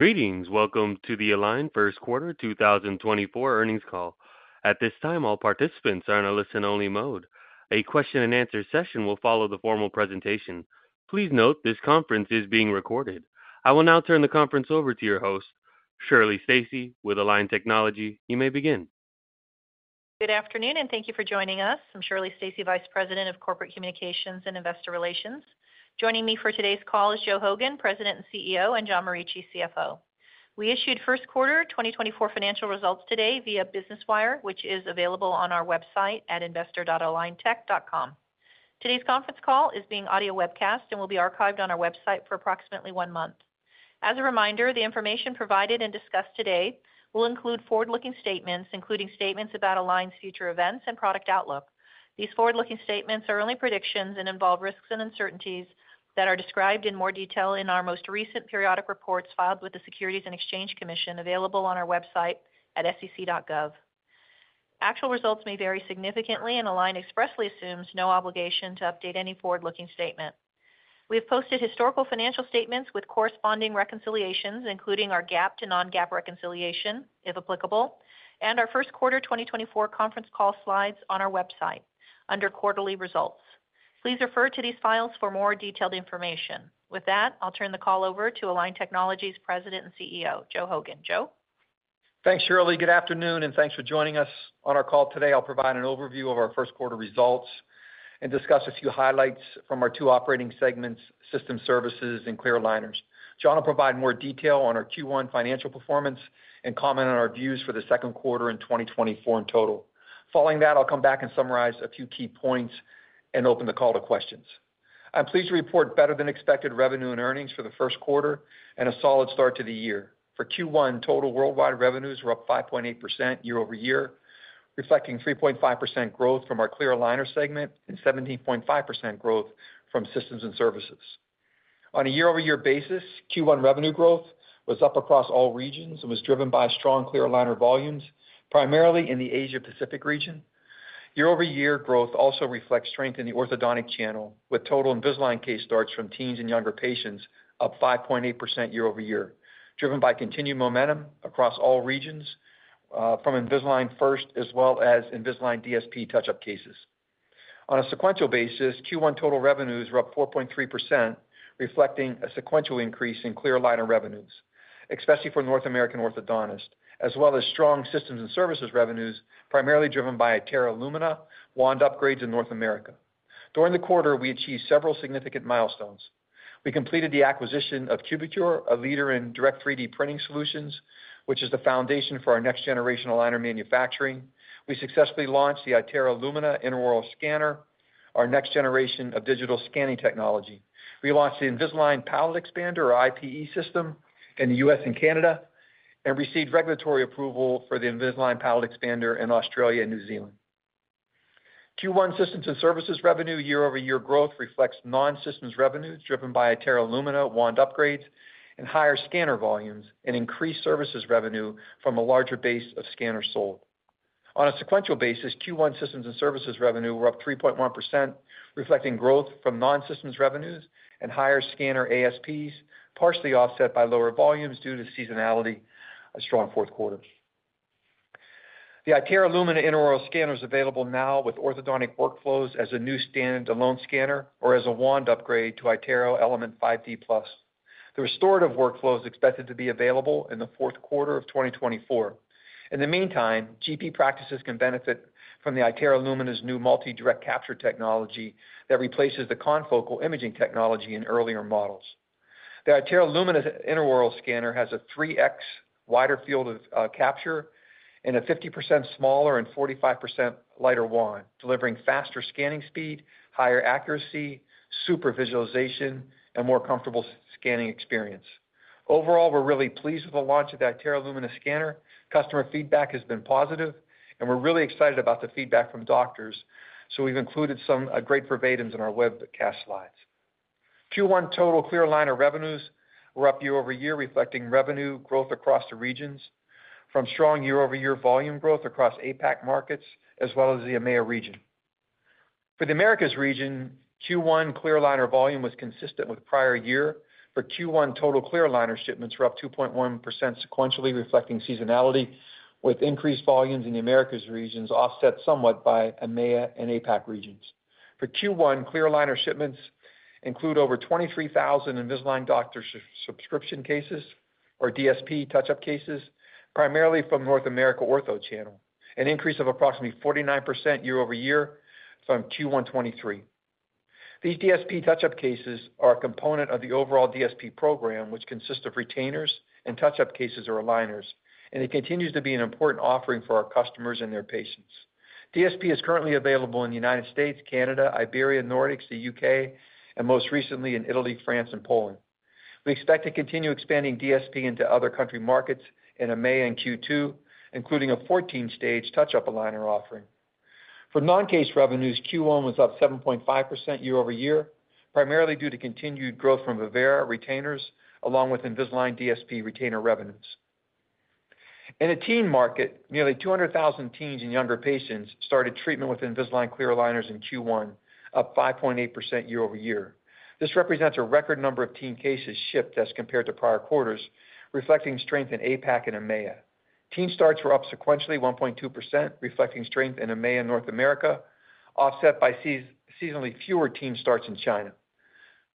Greetings. Welcome to the Align first quarter 2024 earnings call. At this time, all participants are in a listen-only mode. A question-and-answer session will follow the formal presentation. Please note, this conference is being recorded. I will now turn the conference over to your host, Shirley Stacy, with Align Technology. You may begin. Good afternoon, and thank you for joining us. I'm Shirley Stacy, Vice President of Corporate Communications and Investor Relations. Joining me for today's call is Joe Hogan, President and CEO, and John Morici, CFO. We issued first quarter 2024 financial results today via Business Wire, which is available on our website at investor.aligntech.com. Today's conference call is being audio webcast and will be archived on our website for approximately one month. As a reminder, the information provided and discussed today will include forward-looking statements, including statements about Align's future events and product outlook. These forward-looking statements are only predictions and involve risks and uncertainties that are described in more detail in our most recent periodic reports filed with the Securities and Exchange Commission, available on our website at sec.gov. Actual results may vary significantly, and Align expressly assumes no obligation to update any forward-looking statement. We have posted historical financial statements with corresponding reconciliations, including our GAAP to non-GAAP reconciliation, if applicable, and our first quarter 2024 conference call slides on our website under Quarterly Results. Please refer to these files for more detailed information. With that, I'll turn the call over to Align Technology's President and CEO, Joe Hogan. Joe? Thanks, Shirley. Good afternoon, and thanks for joining us on our call today. I'll provide an overview of our first quarter results and discuss a few highlights from our two operating segments, Systems and Services and Clear Aligners. John will provide more detail on our Q1 financial performance and comment on our views for the second quarter in 2024 in total. Following that, I'll come back and summarize a few key points and open the call to questions. I'm pleased to report better-than-expected revenue and earnings for the first quarter and a solid start to the year. For Q1, total worldwide revenues were up 5.8% year-over-year, reflecting 3.5% growth from our clear aligner segment and 17.5% growth from systems and services. On a year-over-year basis, Q1 revenue growth was up across all regions and was driven by strong clear aligner volumes, primarily in the Asia Pacific region. Year-over-year growth also reflects strength in the orthodontic channel, with total Invisalign case starts from teens and younger patients up 5.8% year-over-year, driven by continued momentum across all regions, from Invisalign First, as well as Invisalign DSP touch-up cases. On a sequential basis, Q1 total revenues were up 4.3%, reflecting a sequential increase in clear aligner revenues, especially for North American orthodontists, as well as strong systems and services revenues, primarily driven by iTero Lumina wand upgrades in North America. During the quarter, we achieved several significant milestones. We completed the acquisition of Cubicure, a leader in direct 3D printing solutions, which is the foundation for our next-generational aligner manufacturing. We successfully launched the iTero Lumina intraoral scanner, our next-generation of digital scanning technology. We launched the Invisalign Palatal Expander, or IPE system, in the U.S. and Canada, and received regulatory approval for the Invisalign Palatal Expander in Australia and New Zealand. Q1 systems and services revenue year-over-year growth reflects non-systems revenues, driven by iTero Lumina wand upgrades and higher scanner volumes and increased services revenue from a larger base of scanners sold. On a sequential basis, Q1 systems and services revenue were up 3.1%, reflecting growth from non-systems revenues and higher scanner ASPs, partially offset by lower volumes due to seasonality, a strong fourth quarter. The iTero Lumina intraoral scanner is available now with orthodontic workflows as a new stand-alone scanner or as a wand upgrade to iTero Element 5D Plus. The restorative workflow is expected to be available in the fourth quarter of 2024. In the meantime, GP practices can benefit from the iTero Lumina's new Multi-Direct Capture technology that replaces the confocal imaging technology in earlier models. The iTero Lumina intraoral scanner has a 3x wider field of capture and a 50% smaller and 45% lighter wand, delivering faster scanning speed, higher accuracy, super visualization, and more comfortable scanning experience. Overall, we're really pleased with the launch of the iTero Lumina scanner. Customer feedback has been positive, and we're really excited about the feedback from doctors, so we've included some great verbatims in our webcast slides. Q1 total clear aligner revenues were up year-over-year, reflecting revenue growth across the regions from strong year-over-year volume growth across APAC markets, as well as the EMEA region. For the Americas region, Q1 clear aligner volume was consistent with prior year. For Q1, total clear aligner shipments were up 2.1% sequentially, reflecting seasonality, with increased volumes in the Americas regions offset somewhat by EMEA and APAC regions. For Q1, clear aligner shipments include over 23,000 Invisalign doctor subscription cases, or DSP touch-up cases, primarily from North America ortho channel, an increase of approximately 49% year-over-year from Q1 2023. These DSP touch-up cases are a component of the overall DSP program, which consists of retainers and touch-up cases or aligners, and it continues to be an important offering for our customers and their patients. DSP is currently available in the United States, Canada, Iberia, Nordics, the UK, and most recently in Italy, France, and Poland. We expect to continue expanding DSP into other country markets in EMEA in Q2, including a 14-stage touch-up aligner offering. For non-case revenues, Q1 was up 7.5% year-over-year, primarily due to continued growth from Vivera retainers, along with Invisalign DSP retainer revenues.... In a teen market, nearly 200,000 teens and younger patients started treatment with Invisalign clear aligners in Q1, up 5.8% year-over-year. This represents a record number of teen cases shipped as compared to prior quarters, reflecting strength in APAC and EMEA. Teen starts were up sequentially 1.2%, reflecting strength in EMEA and North America, offset by seasonally fewer teen starts in China.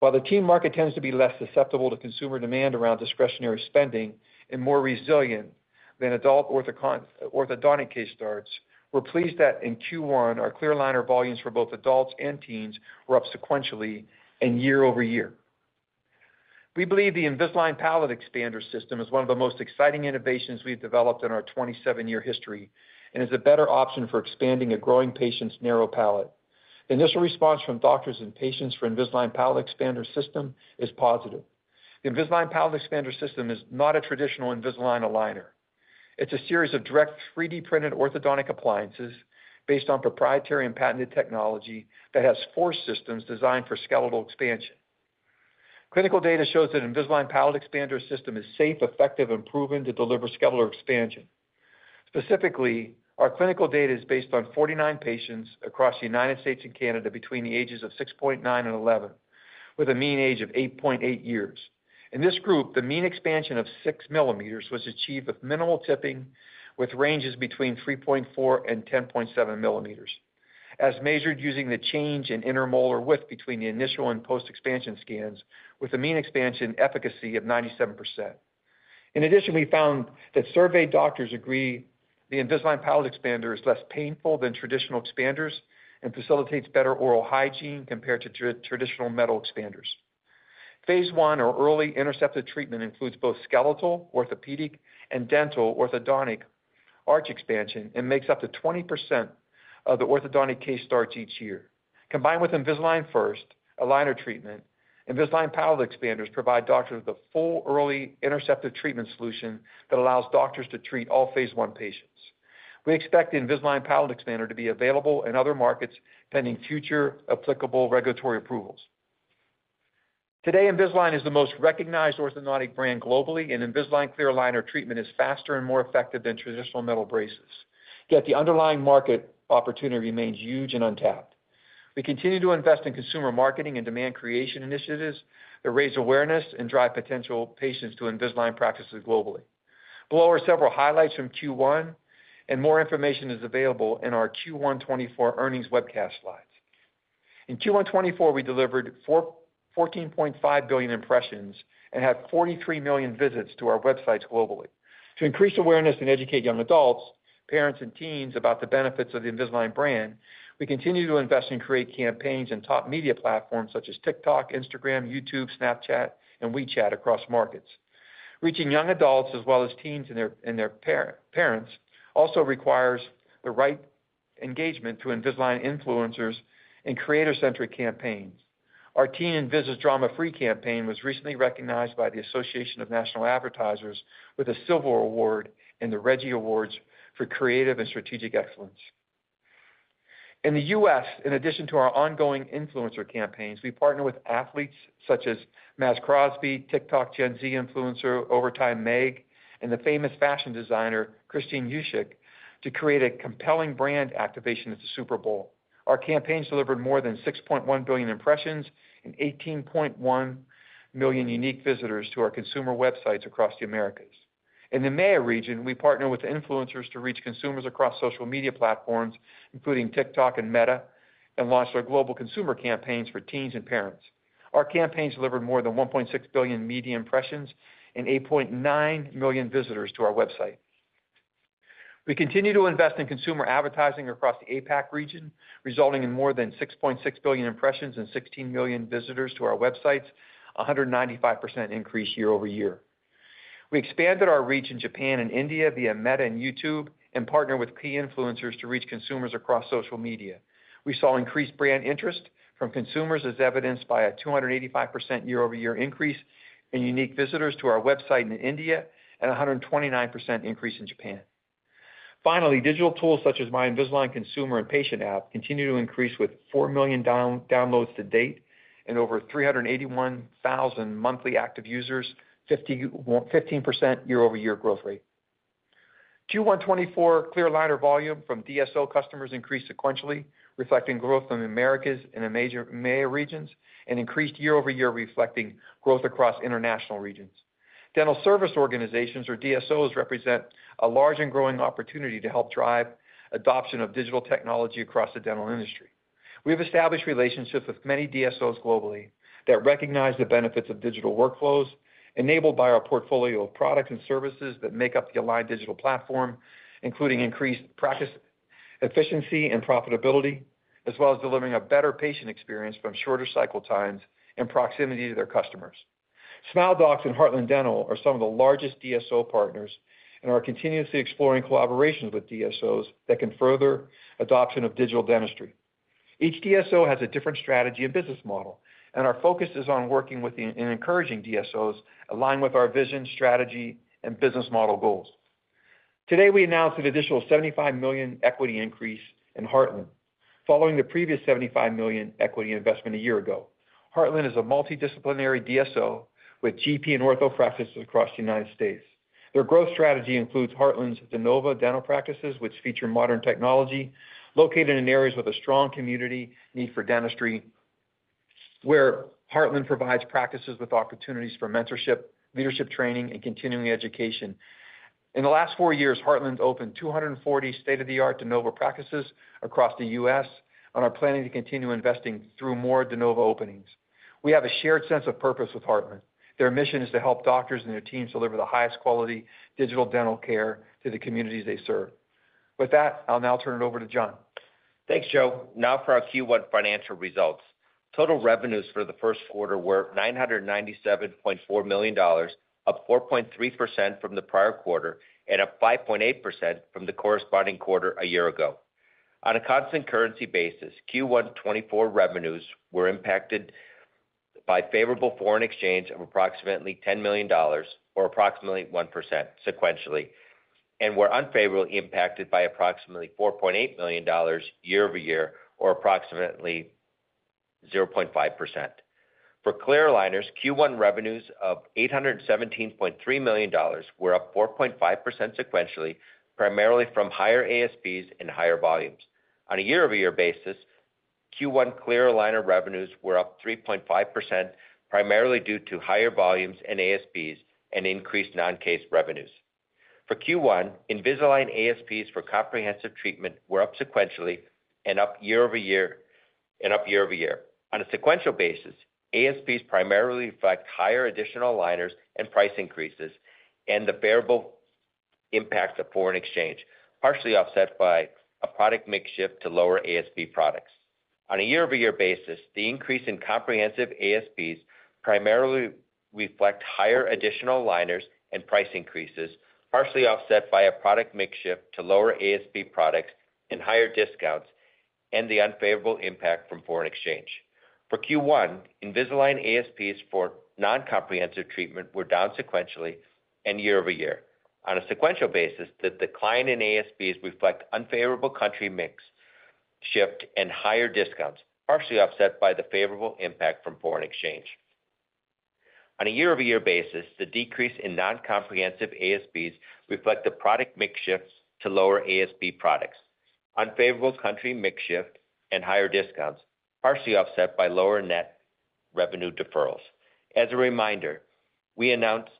While the teen market tends to be less susceptible to consumer demand around discretionary spending and more resilient than adult orthodontic case starts, we're pleased that in Q1, our clear aligner volumes for both adults and teens were up sequentially and year-over-year. We believe the Invisalign Palatal Expander System is one of the most exciting innovations we've developed in our 27-year history, and is a better option for expanding a growing patient's narrow palate. Initial response from doctors and patients for Invisalign Palatal Expander System is positive. Invisalign Palatal Expander System is not a traditional Invisalign aligner. It's a series of direct 3D printed orthodontic appliances based on proprietary and patented technology that has four systems designed for skeletal expansion. Clinical data shows that Invisalign Palatal Expander System is safe, effective, and proven to deliver skeletal expansion. Specifically, our clinical data is based on 49 patients across the United States and Canada between the ages of 6.9-11, with a mean age of 8.8 years. In this group, the mean expansion of 6 mm was achieved with minimal tipping, with ranges between 3.4 mm-10.7 mm, as measured using the change in intermolar width between the initial and post-expansion scans, with a mean expansion efficacy of 97%. In addition, we found that surveyed doctors agree the Invisalign Palatal Expander is less painful than traditional expanders and facilitates better oral hygiene compared to traditional metal expanders. Phase one or early interceptive treatment includes both skeletal, orthopedic, and dental orthodontic arch expansion and makes up to 20% of the orthodontic case starts each year. Combined with Invisalign First aligner treatment, Invisalign Palatal Expanders provide doctors with a full early interceptive treatment solution that allows doctors to treat all phase one patients. We expect the Invisalign Palatal Expander to be available in other markets, pending future applicable regulatory approvals. Today, Invisalign is the most recognized orthodontic brand globally, and Invisalign clear aligner treatment is faster and more effective than traditional metal braces. Yet the underlying market opportunity remains huge and untapped. We continue to invest in consumer marketing and demand creation initiatives that raise awareness and drive potential patients to Invisalign practices globally. Below are several highlights from Q1, and more information is available in our Q1 2024 earnings webcast slides. In Q1 2024, we delivered 414.5 billion impressions and had 43 million visits to our websites globally. To increase awareness and educate young adults, parents, and teens about the benefits of the Invisalign brand, we continue to invest and create campaigns in top media platforms such as TikTok, Instagram, YouTube, Snapchat, and WeChat across markets. Reaching young adults as well as teens and their parents also requires the right engagement to Invisalign influencers and creator-centric campaigns. Our Teen Invis Drama Free campaign was recently recognized by the Association of National Advertisers with a Silver Award in the Reggie Awards for Creative and Strategic Excellence. In the U.S., in addition to our ongoing influencer campaigns, we partner with athletes such as Maxx Crosby, TikTok Gen Z influencer, Overtime Meg, and the famous fashion designer, Kristin Juszczyk, to create a compelling brand activation at the Super Bowl. Our campaigns delivered more than 6.1 billion impressions and 18.1 million unique visitors to our consumer websites across the Americas. In the EMEA region, we partner with influencers to reach consumers across social media platforms, including TikTok and Meta, and launched our global consumer campaigns for teens and parents. Our campaigns delivered more than 1.6 billion media impressions and 8.9 million visitors to our website. We continue to invest in consumer advertising across the APAC region, resulting in more than 6.6 billion impressions and 16 million visitors to our websites, a 195% increase year-over-year. We expanded our reach in Japan and India via Meta and YouTube, and partnered with key influencers to reach consumers across social media. We saw increased brand interest from consumers, as evidenced by a 285% year-over-year increase in unique visitors to our website in India and a 129% increase in Japan. Finally, digital tools such as My Invisalign Consumer and Patient app continue to increase, with 4 million downloads to date and over 381,000 monthly active users, 51.5% year-over-year growth rate. Q1 2024 clear aligner volume from DSO customers increased sequentially, reflecting growth from Americas and in major EMEA regions, and increased year-over-year, reflecting growth across international regions. Dental service organizations, or DSOs, represent a large and growing opportunity to help drive adoption of digital technology across the dental industry. We have established relationships with many DSOs globally that recognize the benefits of digital workflows, enabled by our portfolio of products and services that make up the Align Digital Platform, including increased practice efficiency and profitability, as well as delivering a better patient experience from shorter cycle times and proximity to their customers. Smile Doctors and Heartland Dental are some of the largest DSO partners and are continuously exploring collaborations with DSOs that can further adoption of digital dentistry. Each DSO has a different strategy and business model, and our focus is on working with the and encouraging DSOs, aligned with our vision, strategy, and business model goals. Today, we announced an additional $75 million equity increase in Heartland. Following the previous $75 million equity investment a year ago, Heartland is a multidisciplinary DSO with GP and ortho practices across the United States. Their growth strategy includes Heartland's de novo dental practices, which feature modern technology, located in areas with a strong community need for dentistry, where Heartland provides practices with opportunities for mentorship, leadership training, and continuing education. In the last four years, Heartland opened 240 state-of-the-art de novo practices across the U.S. and are planning to continue investing through more de novo openings. We have a shared sense of purpose with Heartland. Their mission is to help doctors and their teams deliver the highest quality digital dental care to the communities they serve. With that, I'll now turn it over to John. Thanks, Joe. Now for our Q1 financial results. Total revenues for the first quarter were $997.4 million, up 4.3% from the prior quarter and up 5.8% from the corresponding quarter a year ago. On a constant currency basis, Q1 2024 revenues were impacted by favorable foreign exchange of approximately $10 million, or approximately 1% sequentially, and were unfavorably impacted by approximately $4.8 million year-over-year, or approximately 0.5%. For clear aligners, Q1 revenues of $817.3 million were up 4.5% sequentially, primarily from higher ASPs and higher volumes. On a year-over-year basis, Q1 clear aligner revenues were up 3.5%, primarily due to higher volumes and ASPs and increased non-case revenues. For Q1, Invisalign ASPs for comprehensive treatment were up sequentially and up year-over-year. On a sequential basis, ASPs primarily reflect higher additional aligners and price increases and the variable impacts of foreign exchange, partially offset by a product-mix shift to lower ASP products. On a year-over-year basis, the increase in comprehensive ASPs primarily reflect higher additional aligners and price increases, partially offset by a product-mix shift to lower ASP products and higher discounts, and the unfavorable impact from foreign exchange. For Q1, Invisalign ASPs for non-comprehensive treatment were down sequentially and year-over-year. On a sequential basis, the decline in ASPs reflect unfavorable country-mix shift and higher discounts, partially offset by the favorable impact from foreign exchange. On a year-over-year basis, the decrease in non-comprehensive ASPs reflect the product mix shifts to lower ASP products, unfavorable country mix shift, and higher discounts, partially offset by lower net revenue deferrals. As a reminder, we announced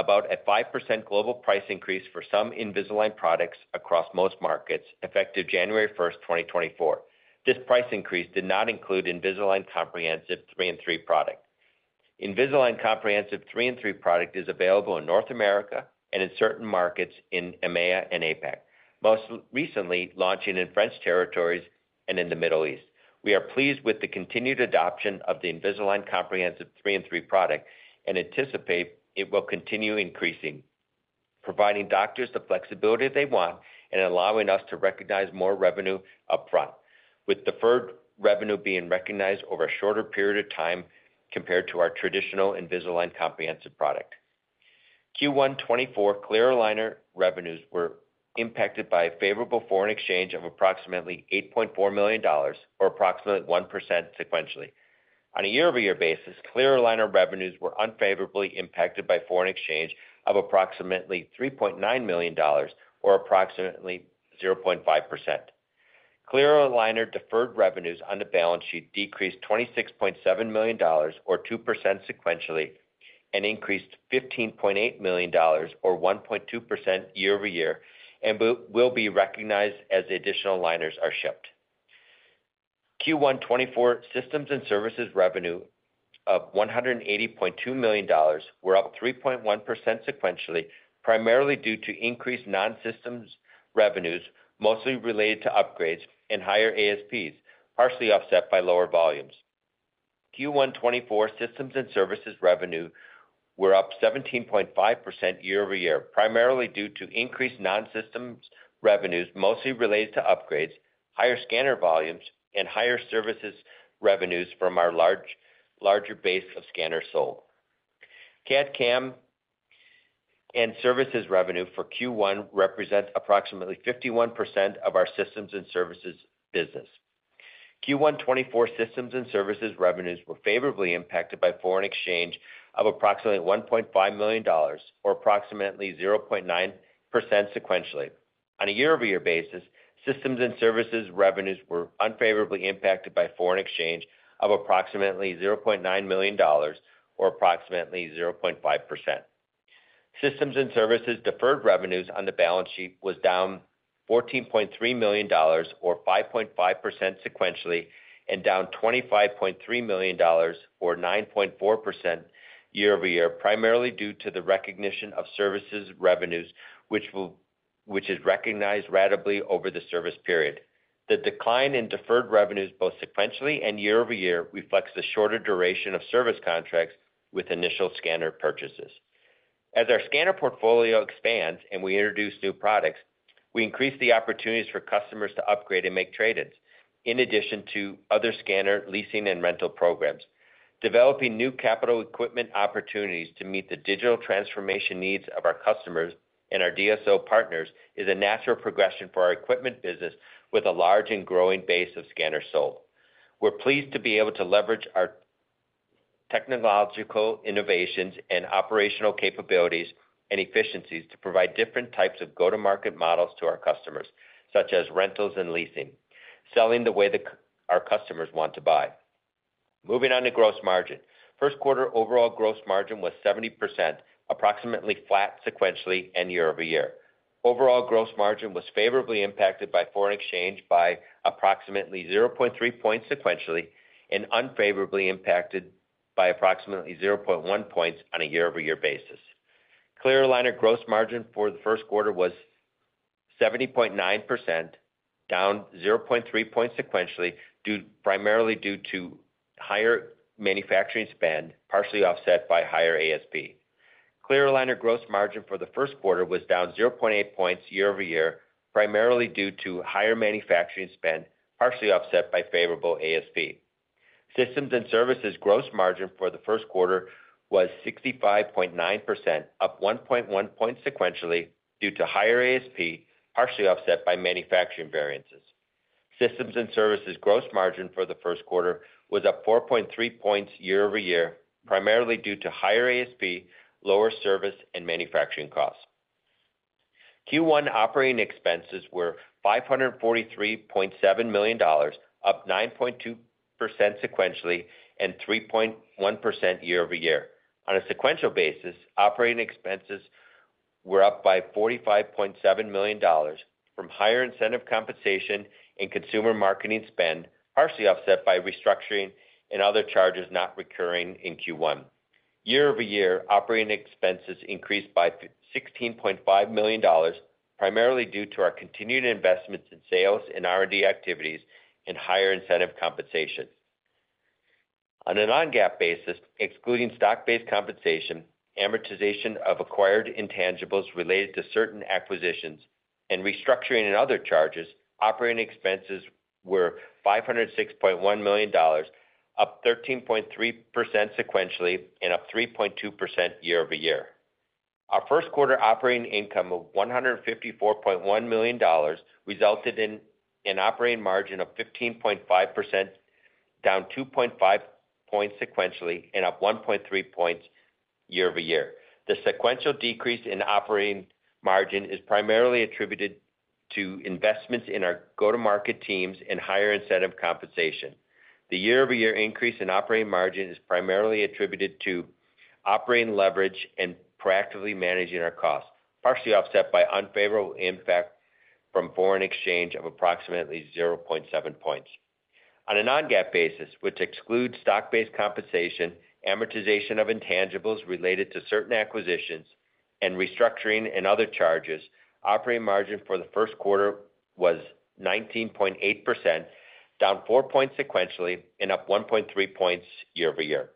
about a 5% global price increase for some Invisalign products across most markets, effective January 1st, 2024. This price increase did not include Invisalign Comprehensive 3-Year product. Invisalign Comprehensive 3-Year product is available in North America and in certain markets in EMEA and APAC, most recently launching in French territories and in the Middle East. We are pleased with the continued adoption of the Invisalign Comprehensive 3-Year product and anticipate it will continue increasing, providing doctors the flexibility they want and allowing us to recognize more revenue upfront, with deferred revenue being recognized over a shorter period of time compared to our traditional Invisalign Comprehensive product. Q1 2024 clear aligner revenues were impacted by a favorable foreign exchange of approximately $8.4 million, or approximately 1% sequentially. On a year-over-year basis, clear aligner revenues were unfavorably impacted by foreign exchange of approximately $3.9 million, or approximately 0.5%. Clear aligner deferred revenues on the balance sheet decreased $26.7 million, or 2% sequentially, and increased $15.8 million, or 1.2% year-over-year, and will be recognized as the additional aligners are shipped. Q1 2024 systems and services revenue of $180.2 million were up 3.1% sequentially, primarily due to increased non-systems revenues, mostly related to upgrades and higher ASPs, partially offset by lower volumes. Q1 2024 Systems and Services revenue were up 17.5% year-over-year, primarily due to increased non-systems revenues, mostly related to upgrades, higher scanner volumes, and higher services revenues from our larger base of scanners sold. CAD/CAM and Services revenue for Q1 represents approximately 51% of our Systems and Services business. Q1 2024 Systems and Services revenues were favorably impacted by foreign exchange of approximately $1.5 million, or approximately 0.9% sequentially. On a year-over-year basis, Systems and Services revenues were unfavorably impacted by foreign exchange of approximately $0.9 million, or approximately 0.5%. Systems and services deferred revenues on the balance sheet was down $14.3 million, or 5.5% sequentially, and down $25.3 million, or 9.4% year-over-year, primarily due to the recognition of services revenues, which is recognized ratably over the service period. The decline in deferred revenues, both sequentially and year-over-year, reflects the shorter duration of service contracts with initial scanner purchases. As our scanner portfolio expands and we introduce new products, we increase the opportunities for customers to upgrade and make trade-ins, in addition to other scanner leasing and rental programs. Developing new capital equipment opportunities to meet the digital transformation needs of our customers and our DSO partners is a natural progression for our equipment business with a large and growing base of scanners sold. We're pleased to be able to leverage our. Technological innovations and operational capabilities and efficiencies to provide different types of go-to-market models to our customers, such as rentals and leasing, selling the way our customers want to buy. Moving on to gross margin. First quarter overall gross margin was 70%, approximately flat sequentially and year-over-year. Overall gross margin was favorably impacted by foreign exchange by approximately 0.3 points sequentially, and unfavorably impacted by approximately 0.1 points on a year-over-year basis. Clear aligner gross margin for the first quarter was 70.9%, down 0.3 points sequentially, primarily due to higher manufacturing spend, partially offset by higher ASP. Clear aligner gross margin for the first quarter was down 0.8 points year-over-year, primarily due to higher manufacturing spend, partially offset by favorable ASP. Systems and services gross margin for the first quarter was 65.9%, up 1.1 points sequentially due to higher ASP, partially offset by manufacturing variances. Systems and services gross margin for the first quarter was up 4.3 points year-over-year, primarily due to higher ASP, lower service and manufacturing costs. Q1 operating expenses were $543.7 million, up 9.2% sequentially and 3.1% year-over-year. On a sequential basis, operating expenses were up by $45.7 million from higher incentive compensation and consumer marketing spend, partially offset by restructuring and other charges not recurring in Q1. Year-over-year, operating expenses increased by $16.5 million, primarily due to our continued investments in sales and R&D activities and higher incentive compensation. On a non-GAAP basis, excluding stock-based compensation, amortization of acquired intangibles related to certain acquisitions, and restructuring and other charges, operating expenses were $506.1 million, up 13.3% sequentially, and up 3.2% year-over-year. Our first quarter operating income of $154.1 million resulted in an operating margin of 15.5%, down 2.5 points sequentially and up 1.3 points year-over-year. The sequential decrease in operating margin is primarily attributed to investments in our go-to-market teams and higher incentive compensation. The year-over-year increase in operating margin is primarily attributed to operating leverage and proactively managing our costs, partially offset by unfavorable impact from foreign exchange of approximately 0.7 points. On a non-GAAP basis, which excludes stock-based compensation, amortization of intangibles related to certain acquisitions, and restructuring and other charges, operating margin for the first quarter was 19.8%, down 4 points sequentially and up 1.3 points year-over-year.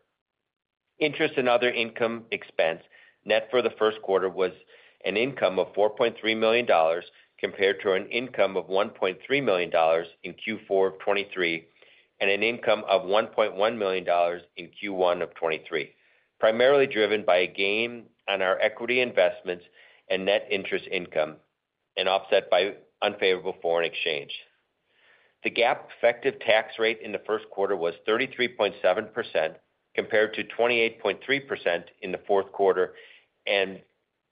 Interest and other income expense, net for the first quarter was an income of $4.3 million, compared to an income of $1.3 million in Q4 of 2023, and an income of $1.1 million in Q1 of 2023, primarily driven by a gain on our equity investments and net interest income, and offset by unfavorable foreign exchange. The GAAP effective tax rate in the first quarter was 33.7%, compared to 28.3% in the fourth quarter and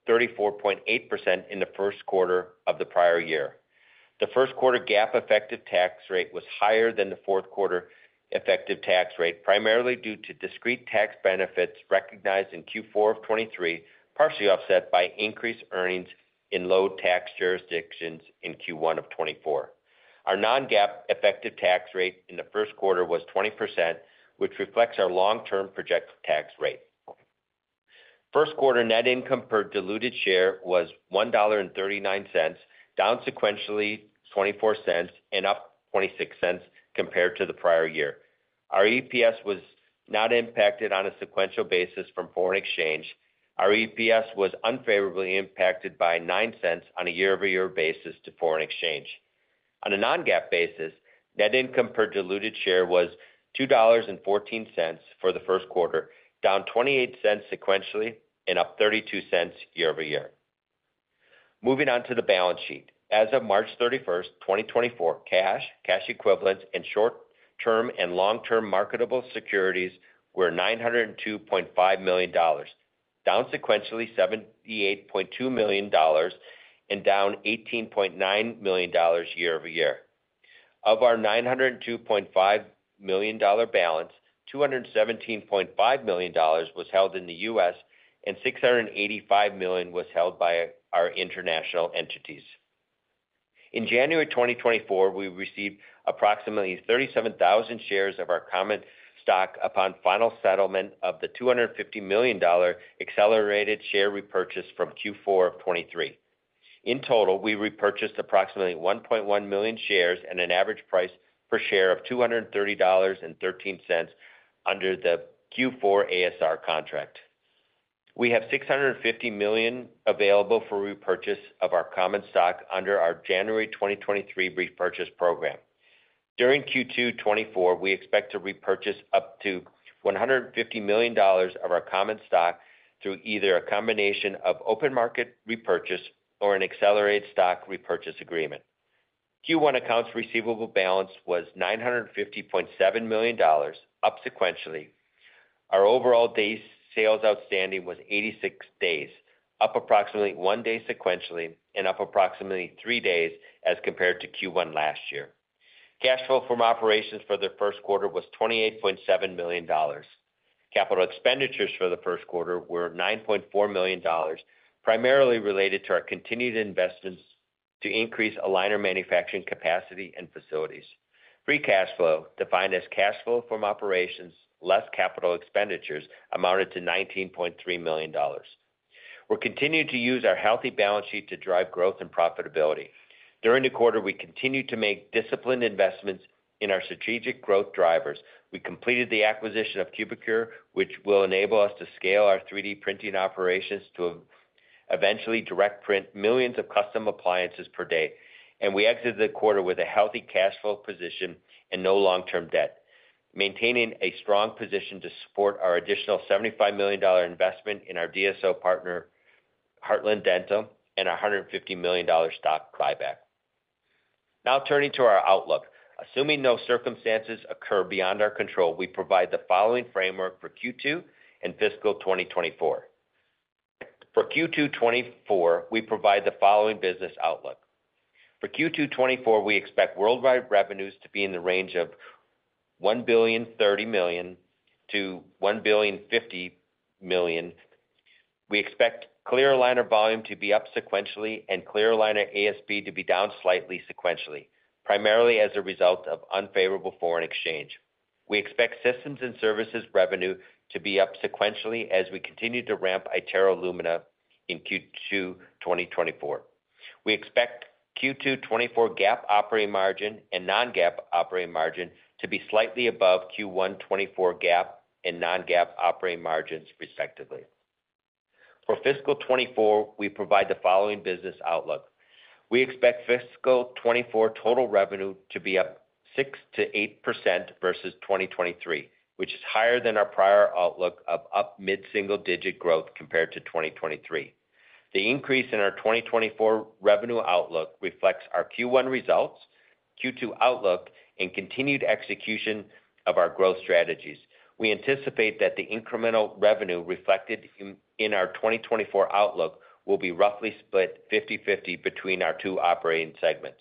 34.8% in the first quarter of the prior year. The first quarter GAAP effective tax rate was higher than the fourth quarter effective tax rate, primarily due to discrete tax benefits recognized in Q4 of 2023, partially offset by increased earnings in low tax jurisdictions in Q1 of 2024. Our non-GAAP effective tax rate in the first quarter was 20%, which reflects our long-term projected tax rate. First quarter net income per diluted share was $1.39, down sequentially $0.24, and up $0.26 compared to the prior year. Our EPS was not impacted on a sequential basis from foreign exchange. Our EPS was unfavorably impacted by $0.09 on a year-over-year basis to foreign exchange. On a non-GAAP basis, net income per diluted share was $2.14 for the first quarter, down $0.28 sequentially and up $0.32 year-over-year. Moving on to the balance sheet. As of March 31st, 2024, cash, cash equivalents, and short-term and long-term marketable securities were $902.5 million, down sequentially $78.2 million, and down $18.9 million year-over-year. Of our $902.5 million balance, $217.5 million was held in the U.S., and $685 million was held by our international entities. In January 2024, we received approximately 37,000 shares of our common stock upon final settlement of the $250 million accelerated share repurchase from Q4 of 2023. In total, we repurchased approximately 1.1 million shares at an average price per share of $230.13 under the Q4 ASR contract. We have $650 million available for repurchase of our common stock under our January 2023 repurchase program. During Q2 2024, we expect to repurchase up to $150 million of our common stock through either a combination of open market repurchase or an accelerated stock repurchase agreement. Q1 accounts receivable balance was $950.7 million, up sequentially. Our overall days sales outstanding was 86 days, up approximately one day sequentially, and up approximately three days as compared to Q1 last year. Cash flow from operations for the first quarter was $28.7 million. Capital expenditures for the first quarter were $9.4 million, primarily related to our continued investments to increase aligner manufacturing capacity and facilities. Free cash flow, defined as cash flow from operations less capital expenditures, amounted to $19.3 million. We're continuing to use our healthy balance sheet to drive growth and profitability. During the quarter, we continued to make disciplined investments in our strategic growth drivers. We completed the acquisition of Cubicure, which will enable us to scale our 3D printing operations to eventually direct print millions of custom appliances per day, and we exited the quarter with a healthy cash flow position and no long-term debt, maintaining a strong position to support our additional $75 million investment in our DSO partner, Heartland Dental, and $150 million stock buyback. Now turning to our outlook. Assuming no circumstances occur beyond our control, we provide the following framework for Q2 and fiscal 2024. For Q2 2024, we provide the following business outlook. For Q2 2024, we expect worldwide revenues to be in the range of $1.03 billion-$1.05 billion. We expect clear aligner volume to be up sequentially and clear aligner ASP to be down slightly sequentially, primarily as a result of unfavorable foreign exchange. We expect systems and services revenue to be up sequentially as we continue to ramp iTero Lumina in Q2 2024. We expect Q2 2024 GAAP operating margin and non-GAAP operating margin to be slightly above Q1 2024 GAAP and non-GAAP operating margins, respectively. For fiscal 2024, we provide the following business outlook: We expect fiscal 2024 total revenue to be up 6%-8% versus 2023, which is higher than our prior outlook of up mid-single digit growth compared to 2023. The increase in our 2024 revenue outlook reflects our Q1 results, Q2 outlook, and continued execution of our growth strategies. We anticipate that the incremental revenue reflected in our 2024 outlook will be roughly split 50/50 between our two operating segments.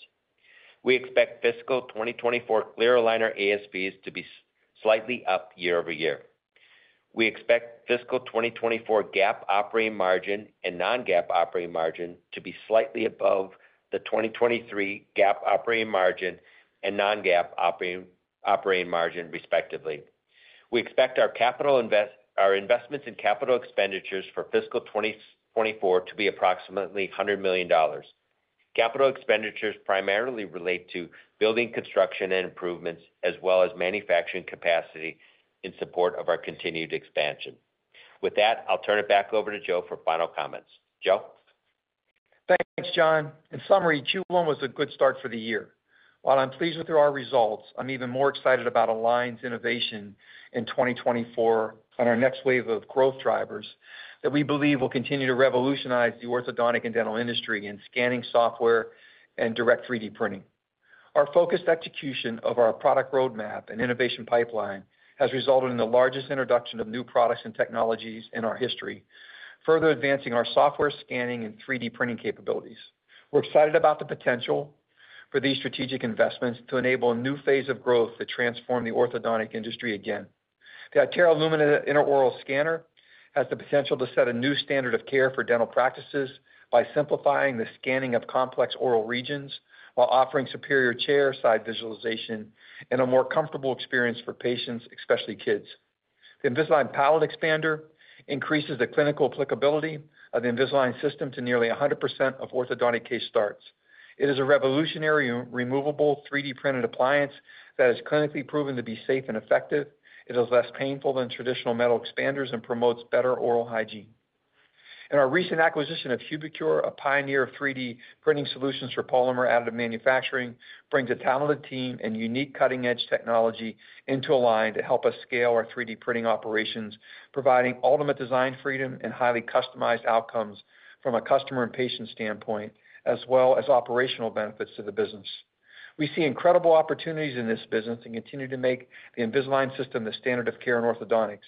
We expect fiscal 2024 clear aligner ASPs to be slightly up year-over-year. We expect fiscal 2024 GAAP operating margin and non-GAAP operating margin to be slightly above the 2023 GAAP operating margin and non-GAAP operating margin, respectively. We expect our investments in capital expenditures for fiscal 2024 to be approximately $100 million. Capital expenditures primarily relate to building construction and improvements, as well as manufacturing capacity in support of our continued expansion. With that, I'll turn it back over to Joe for final comments. Joe? Thanks, John. In summary, Q1 was a good start for the year. While I'm pleased with our results, I'm even more excited about Align's innovation in 2024 and our next wave of growth drivers that we believe will continue to revolutionize the orthodontic and dental industry in scanning, software, and direct 3D printing. Our focused execution of our product roadmap and innovation pipeline has resulted in the largest introduction of new products and technologies in our history, further advancing our software, scanning, and 3D printing capabilities. We're excited about the potential for these strategic investments to enable a new phase of growth to transform the orthodontic industry again. The iTero Lumina intraoral scanner has the potential to set a new standard of care for dental practices by simplifying the scanning of complex oral regions while offering superior chairside visualization and a more comfortable experience for patients, especially kids. The Invisalign Palatal Expander increases the clinical applicability of the Invisalign System to nearly 100% of orthodontic case starts. It is a revolutionary, removable, 3D-printed appliance that is clinically proven to be safe and effective. It is less painful than traditional metal expanders and promotes better oral hygiene. Our recent acquisition of Cubicure, a pioneer of 3D printing solutions for polymer additive manufacturing, brings a talented team and unique cutting-edge technology into Align to help us scale our 3D printing operations, providing ultimate design freedom and highly customized outcomes from a customer and patient standpoint, as well as operational benefits to the business. We see incredible opportunities in this business and continue to make the Invisalign System the standard of care in orthodontics.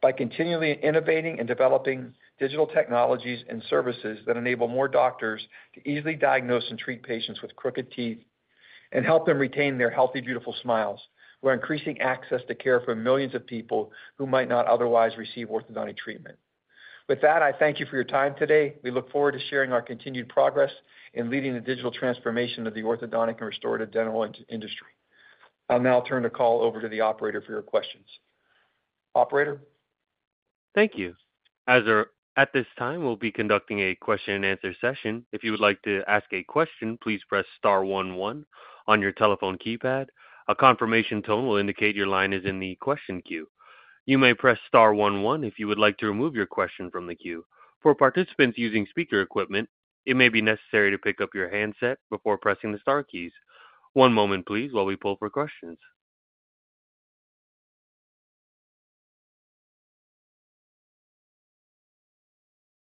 By continually innovating and developing digital technologies and services that enable more doctors to easily diagnose and treat patients with crooked teeth and help them retain their healthy, beautiful smiles, we're increasing access to care for millions of people who might not otherwise receive orthodontic treatment. With that, I thank you for your time today. We look forward to sharing our continued progress in leading the digital transformation of the orthodontic and restorative dental industry. I'll now turn the call over to the operator for your questions. Operator? Thank you. At this time, we'll be conducting a question-and-answer session. If you would like to ask a question, please press Star one one on your telephone keypad. A confirmation tone will indicate your line is in the question queue. You may press Star one one if you would like to remove your question from the queue. For participants using speaker equipment, it may be necessary to pick up your handset before pressing the Star keys. One moment, please, while we pull for questions.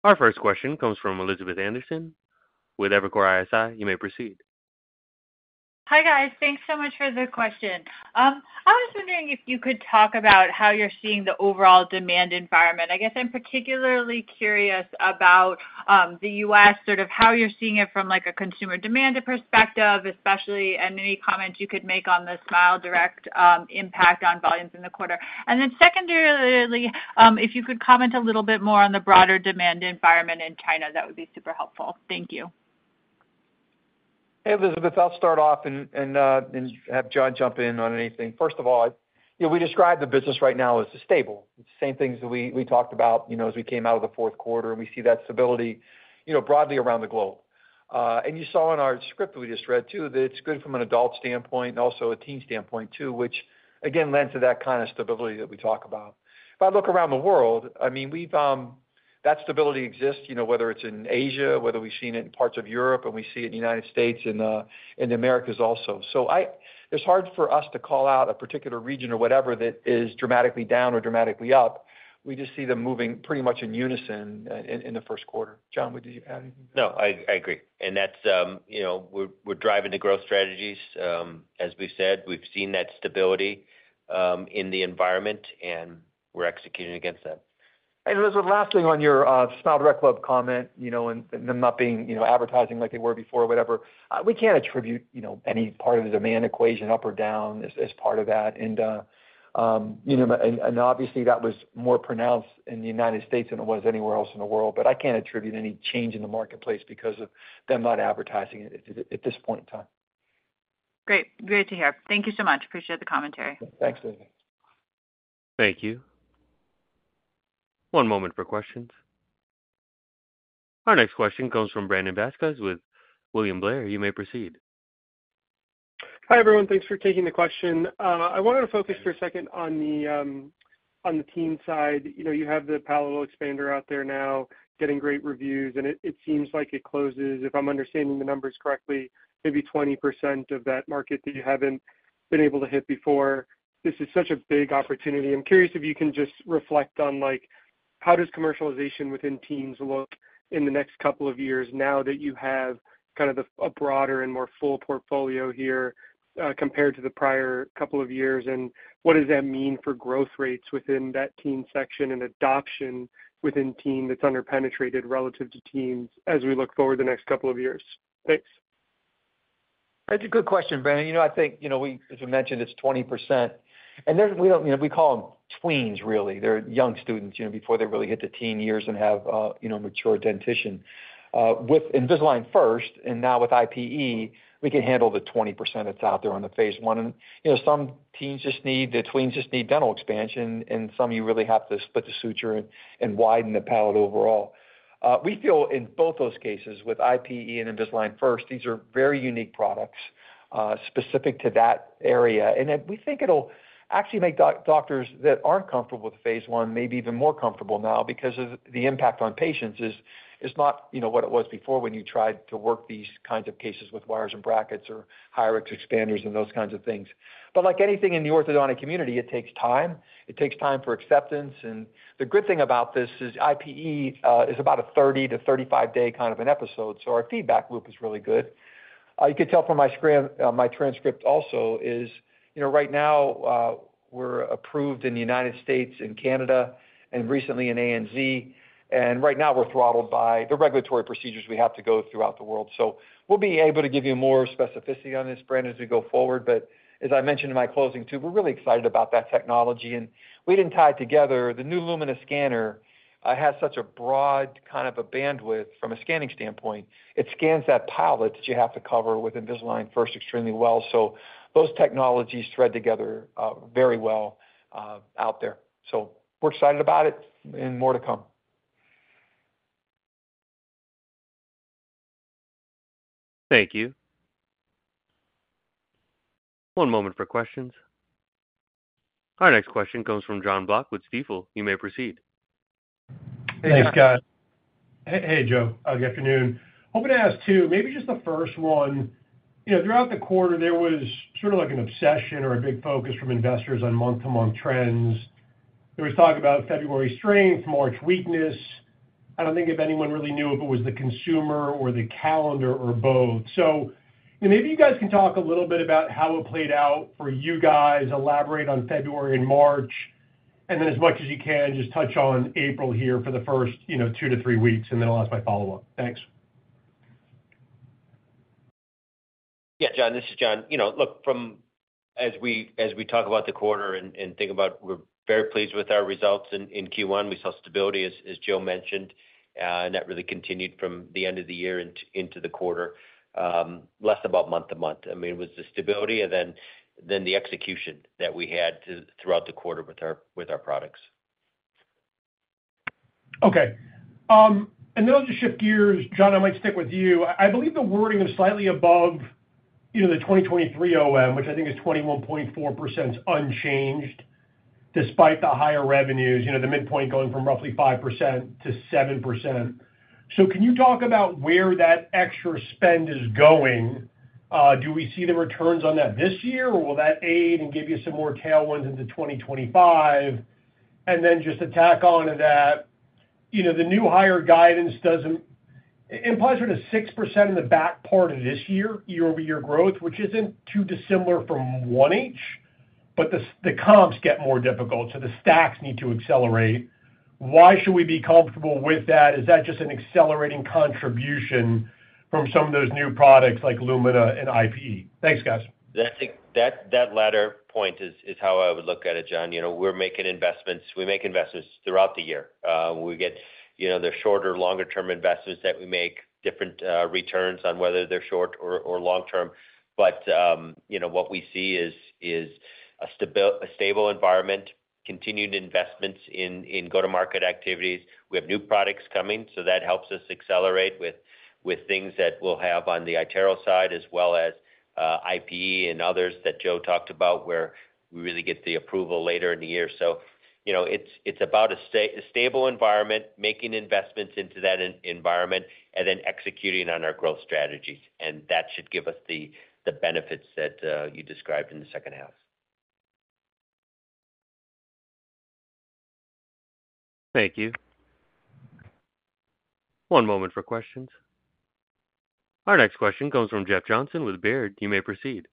Our first question comes from Elizabeth Anderson with Evercore ISI. You may proceed. Hi, guys. Thanks so much for the question. I was wondering if you could talk about how you're seeing the overall demand environment. I guess I'm particularly curious about the U.S., sort of how you're seeing it from, like, a consumer demand perspective, especially, and any comments you could make on the SmileDirect impact on volumes in the quarter. And then secondarily, if you could comment a little bit more on the broader demand environment in China, that would be super helpful. Thank you. Hey, Elizabeth, I'll start off and have John jump in on anything. First of all, you know, we describe the business right now as stable. It's the same things that we talked about, you know, as we came out of the fourth quarter, and we see that stability, you know, broadly around the globe. You saw in our script that we just read, too, that it's good from an adult standpoint and also a teen standpoint, too, which, again, lends to that kind of stability that we talk about. If I look around the world, I mean, that stability exists, you know, whether it's in Asia, whether we've seen it in parts of Europe, and we see it in the United States and in the Americas also. So, it's hard for us to call out a particular region or whatever that is dramatically down or dramatically up. We just see them moving pretty much in unison, in the first quarter. John, would you add anything? No, I agree. And that's, you know, we're driving the growth strategies. As we've said, we've seen that stability in the environment, and we're executing against that. And Elizabeth, last thing on your SmileDirectClub comment, you know, and them not being, you know, advertising like they were before, or whatever. We can't attribute, you know, any part of the demand equation up or down as part of that. And, you know, obviously that was more pronounced in the United States than it was anywhere else in the world, but I can't attribute any change in the marketplace because of them not advertising it at this point in time. Great. Great to hear. Thank you so much. Appreciate the commentary. Thanks, Elizabeth. Thank you. One moment for questions. Our next question comes from Brandon Vazquez with William Blair. You may proceed. Hi, everyone. Thanks for taking the question. I wanted to focus for a second on the, on the teen side. You know, you have the palatal expander out there now, getting great reviews, and it, it seems like it closes, if I'm understanding the numbers correctly, maybe 20% of that market that you haven't been able to hit before. This is such a big opportunity. I'm curious if you can just reflect on, like, how does commercialization within teens look in the next couple of years now that you have kind of a, a broader and more full portfolio here, compared to the prior couple of years? And what does that mean for growth rates within that teen section and adoption within teen that's under-penetrated relative to teens as we look forward the next couple of years? Thanks. That's a good question, Brandon. You know, I think, you know, we, as I mentioned, it's 20%, and there's, we don't, you know, we call them tweens, really. They're young students, you know, before they really hit the teen years and have, you know, mature dentition. With Invisalign First, and now with IPE, we can handle the 20% that's out there on the phase one. And, you know, some teens just need, the tweens just need dental expansion, and some you really have to split the suture and widen the palate overall. We feel in both those cases, with IPE and Invisalign First, these are very unique products, specific to that area. And then we think it'll actually make doctors that aren't comfortable with phase one, maybe even more comfortable now because of the impact on patients is not, you know, what it was before when you tried to work these kinds of cases with wires and brackets or Hyrax expanders and those kinds of things. But like anything in the orthodontic community, it takes time. It takes time for acceptance, and the good thing about this is IPE is about a 30-35-day kind of an episode, so our feedback loop is really good. You could tell from my transcript also is, you know, right now, we're approved in the United States and Canada and recently in ANZ, and right now we're throttled by the regulatory procedures we have to go throughout the world. So we'll be able to give you more specificity on this, Brandon, as we go forward. But as I mentioned in my closing, too, we're really excited about that technology, and we didn't tie it together. The new Lumina scanner has such a broad kind of a bandwidth from a scanning standpoint. It scans that palate that you have to cover with Invisalign First extremely well. So those technologies thread together very well out there. So we're excited about it and more to come. Thank you. One moment for questions. Our next question comes from Jon Block with Stifel. You may proceed. Thanks, Scott. Hey, Joe. Good afternoon. Hoping to ask 2, maybe just the first one. You know, throughout the quarter, there was sort of like an obsession or a big focus from investors on month-to-month trends. There was talk about February strength, March weakness. I don't think if anyone really knew if it was the consumer or the calendar or both. So, you know, maybe you guys can talk a little bit about how it played out for you guys, elaborate on February and March, and then as much as you can, just touch on April here for the first, you know, 2-3 weeks, and then I'll ask my follow-up. Thanks. Yeah, Jon, this is John. You know, look, as we talk about the quarter and think about, we're very pleased with our results in Q1. We saw stability, as Joe mentioned, and that really continued from the end of the year into the quarter, less about month-to-month. I mean, it was the stability and then the execution that we had throughout the quarter with our products. Okay. And then I'll just shift gears. John, I might stick with you. I believe the wording of slightly above, you know, the 2023 OM, which I think is 21.4%, is unchanged, despite the higher revenues, you know, the midpoint going from roughly 5% to 7%. So can you talk about where that extra spend is going? Do we see the returns on that this year, or will that aid and give you some more tailwinds into 2025? And then just to tack on to that, you know, the new higher guidance doesn't imply sort of 6% in the back part of this year, year-over-year growth, which isn't too dissimilar from 1H. But the comps get more difficult, so the stacks need to accelerate. Why should we be comfortable with that? Is that just an accelerating contribution from some of those new products like Lumina and IPE? Thanks, guys. I think that latter point is how I would look at it, John. You know, we're making investments. We make investments throughout the year. We get, you know, the shorter, longer-term investments that we make, different returns on whether they're short or long-term. But, you know, what we see is a stable environment, continued investments in go-to-market activities. We have new products coming, so that helps us accelerate with things that we'll have on the iTero side as well as IPE and others that Joe talked about, where we really get the approval later in the year. So, you know, it's about a stable environment, making investments into that environment, and then executing on our growth strategy. And that should give us the benefits that you described in the second half. Thank you. One moment for questions. Our next question comes from Jeff Johnson with Baird. You may proceed.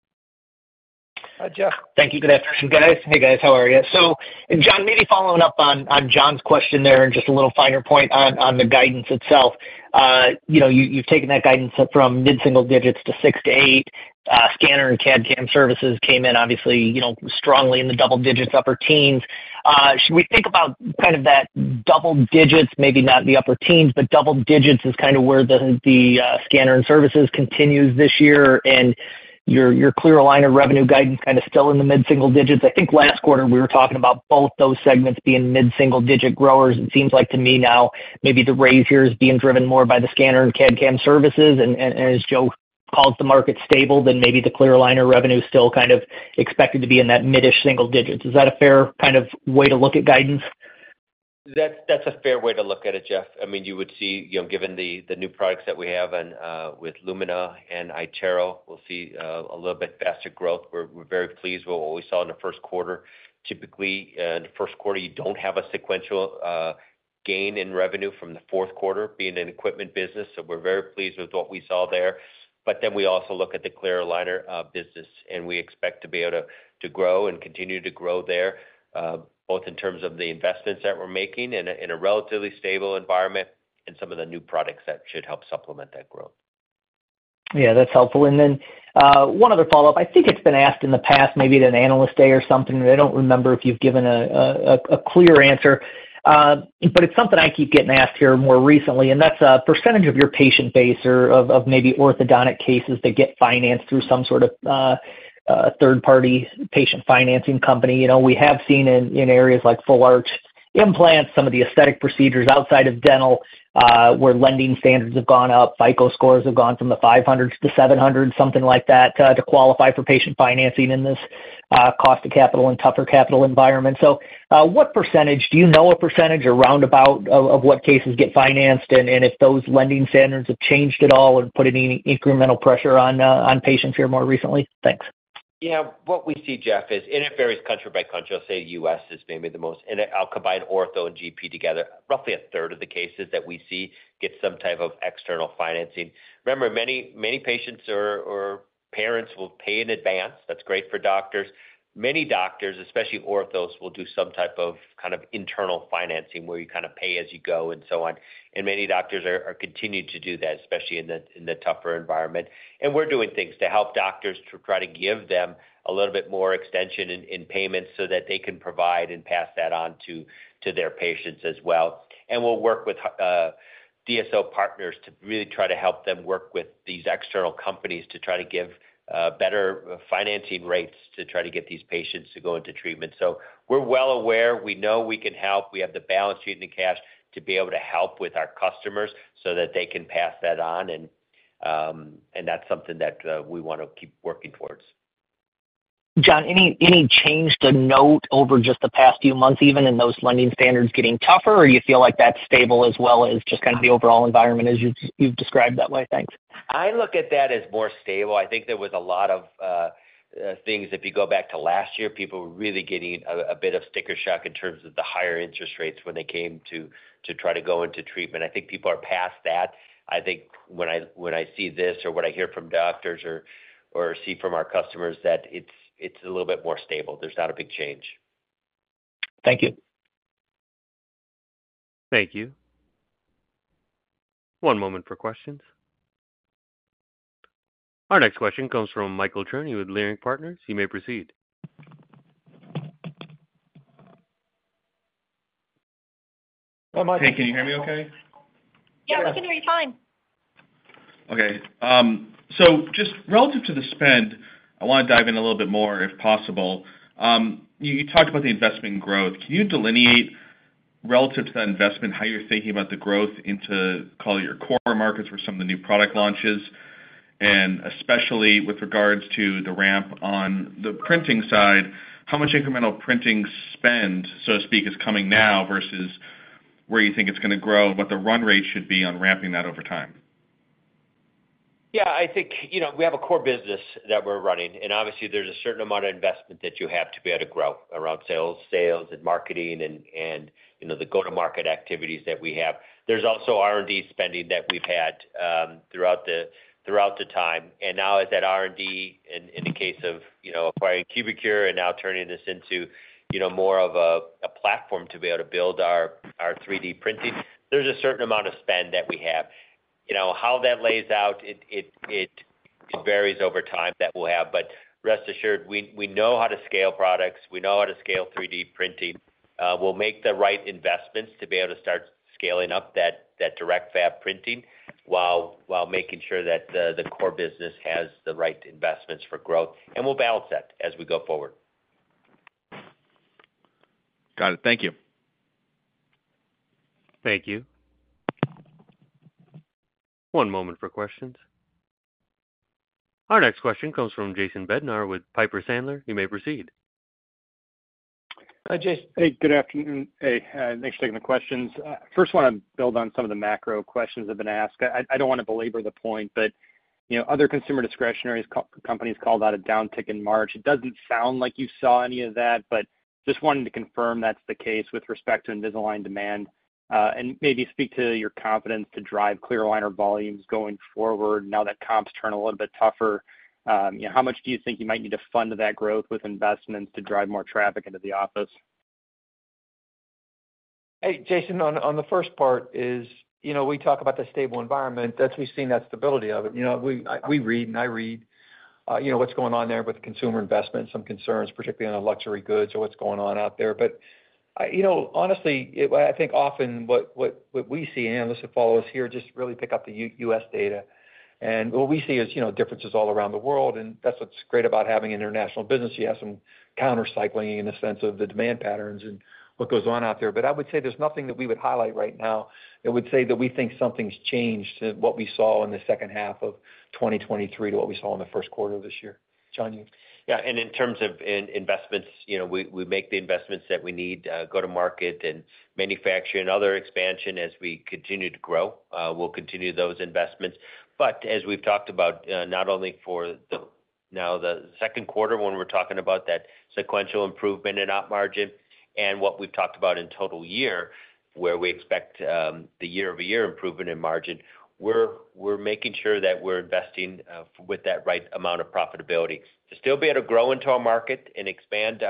Hi, Jeff. Thank you. Good afternoon, guys. Hey, guys, how are you? So, John, maybe following up on, on Jon's question there, and just a little finer point on, on the guidance itself. You know, you, you've taken that guidance from mid-single digits to 6-8. Scanner and CAD/CAM services came in, obviously, you know, strongly in the double-digits, upper teens. Should we think about kind of that double-digits, maybe not the upper teens, but double-digits is kind of where the, the scanner and services continues this year, and your, your clear aligner revenue guidance kind of still in the mid-single digits? I think last quarter we were talking about both those segments being mid-single digit growers. It seems like to me now, maybe the raise here is being driven more by the scanner and CAD/CAM services. And as Joe calls the market stable, then maybe the clear aligner revenue is still kind of expected to be in that mid-ish single-digits. Is that a fair kind of way to look at guidance? That's, that's a fair way to look at it, Jeff. I mean, you know, given the new products that we have and with Lumina and iTero, we'll see a little bit faster growth. We're very pleased with what we saw in the first quarter. Typically, in the first quarter, you don't have a sequential gain in revenue from the fourth quarter, being an equipment business, so we're very pleased with what we saw there. But then we also look at the clear aligner business, and we expect to be able to grow and continue to grow there, both in terms of the investments that we're making in a relatively stable environment and some of the new products that should help supplement that growth. Yeah, that's helpful. And then one other follow-up. I think it's been asked in the past, maybe at an analyst day or something, but I don't remember if you've given a clear answer. But it's something I keep getting asked here more recently, and that's a percentage of your patient base or of maybe orthodontic cases that get financed through some sort of third-party patient financing company. You know, we have seen in areas like full arch implants, some of the aesthetic procedures outside of dental, where lending standards have gone up, FICO scores have gone from the 500s-700, something like that, to qualify for patient financing in this cost of capital and tougher capital environment. What percentage, do you know a percentage or roundabout of what cases get financed and if those lending standards have changed at all or put any incremental pressure on patients here more recently? Thanks. Yeah. What we see, Jeff, is, and it varies country by country, I'll say U.S. is maybe the most, and I'll combine ortho and GP together. Roughly a third of the cases that we see get some type of external financing. Remember, many, many patients or, or parents will pay in advance. That's great for doctors. Many doctors, especially orthos, will do some type of kind of internal financing, where you kind of pay as you go and so on. And many doctors are, are continuing to do that, especially in the, in the tougher environment. And we're doing things to help doctors to try to give them a little bit more extension in, in payments so that they can provide and pass that on to, to their patients as well. And we'll work with DSO partners to really try to help them work with these external companies to try to give better financing rates to try to get these patients to go into treatment. So we're well aware. We know we can help. We have the balance sheet and the cash to be able to help with our customers so that they can pass that on, and, and that's something that we want to keep working towards. John, any, any change to note over just the past few months, even in those lending standards getting tougher, or you feel like that's stable as well as just kind of the overall environment as you've, you've described that way? Thanks. I look at that as more stable. I think there was a lot of things if you go back to last year, people were really getting a bit of sticker shock in terms of the higher interest rates when they came to try to go into treatment. I think people are past that. I think when I see this or what I hear from doctors or see from our customers, that it's a little bit more stable. There's not a big change. Thank you. Thank you. One moment for questions. Our next question comes from Michael Cherny with Leerink Partners. You may proceed. Hi, Michael. Hey, can you hear me okay? Yeah, we can hear you fine. Okay, so just relative to the spend, I want to dive in a little bit more, if possible. You talked about the investment growth. Can you delineate, relative to that investment, how you're thinking about the growth into, call it your core markets for some of the new product launches? And especially with regards to the ramp on the printing side, how much incremental printing spend, so to speak, is coming now versus where you think it's gonna grow, what the run rate should be on ramping that over time? Yeah, I think, you know, we have a core business that we're running, and obviously, there's a certain amount of investment that you have to be able to grow around sales, sales and marketing and, and, you know, the go-to-market activities that we have. There's also R&D spending that we've had throughout the time. And now as that R&D, in the case of, you know, acquiring Cubicure and now turning this into, you know, more of a platform to be able to build our 3D printing, there's a certain amount of spend that we have. You know, how that lays out, it varies over time that we'll have, but rest assured, we know how to scale products, we know how to scale 3D printing. We'll make the right investments to be able to start scaling up that direct fab printing while making sure that the core business has the right investments for growth, and we'll balance that as we go forward. Got it. Thank you. Thank you. One moment for questions. Our next question comes from Jason Bednar with Piper Sandler. You may proceed. Hi, Jason. Hey, good afternoon. Hey, thanks for taking the questions. First, I want to build on some of the macro questions that have been asked. I don't want to belabor the point, but, you know, other consumer discretionary comp companies called out a downtick in March. It doesn't sound like you saw any of that, but just wanted to confirm that's the case with respect to Invisalign demand, and maybe speak to your confidence to drive clear aligner volumes going forward now that comps turn a little bit tougher. You know, how much do you think you might need to fund that growth with investments to drive more traffic into the office? Hey, Jason, on the first part is, you know, we talk about the stable environment, that's we've seen that stability of it. You know, we, I, we read, and I read, you know, what's going on there with consumer investment, some concerns, particularly on the luxury goods or what's going on out there. But, I think often what, what, what we see, and analysts who follow us here, just really pick up the U.S. data. And what we see is, you know, differences all around the world, and that's what's great about having an international business. You have some counter-cycling in the sense of the demand patterns and what goes on out there. But I would say there's nothing that we would highlight right now that would say that we think something's changed in what we saw in the second half of 2023 to what we saw in the first quarter of this year. John, you? Yeah, and in terms of investments, you know, we make the investments that we need, go-to-market and manufacturing, other expansion as we continue to grow. We'll continue those investments. But as we've talked about, not only for now, the second quarter, when we're talking about that sequential improvement in op margin and what we've talked about in total year, where we expect the year-over-year improvement in margin, we're making sure that we're investing with that right amount of profitability. To still be able to grow into our market and expand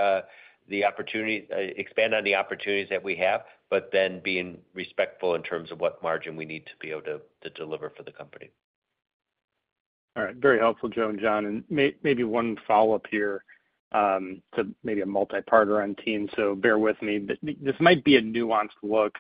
the opportunity, expand on the opportunities that we have, but then being respectful in terms of what margin we need to be able to deliver for the company. All right. Very helpful, Joe and John. And maybe one follow-up here, to maybe a multi-parter on teens, so bear with me. This might be a nuanced look.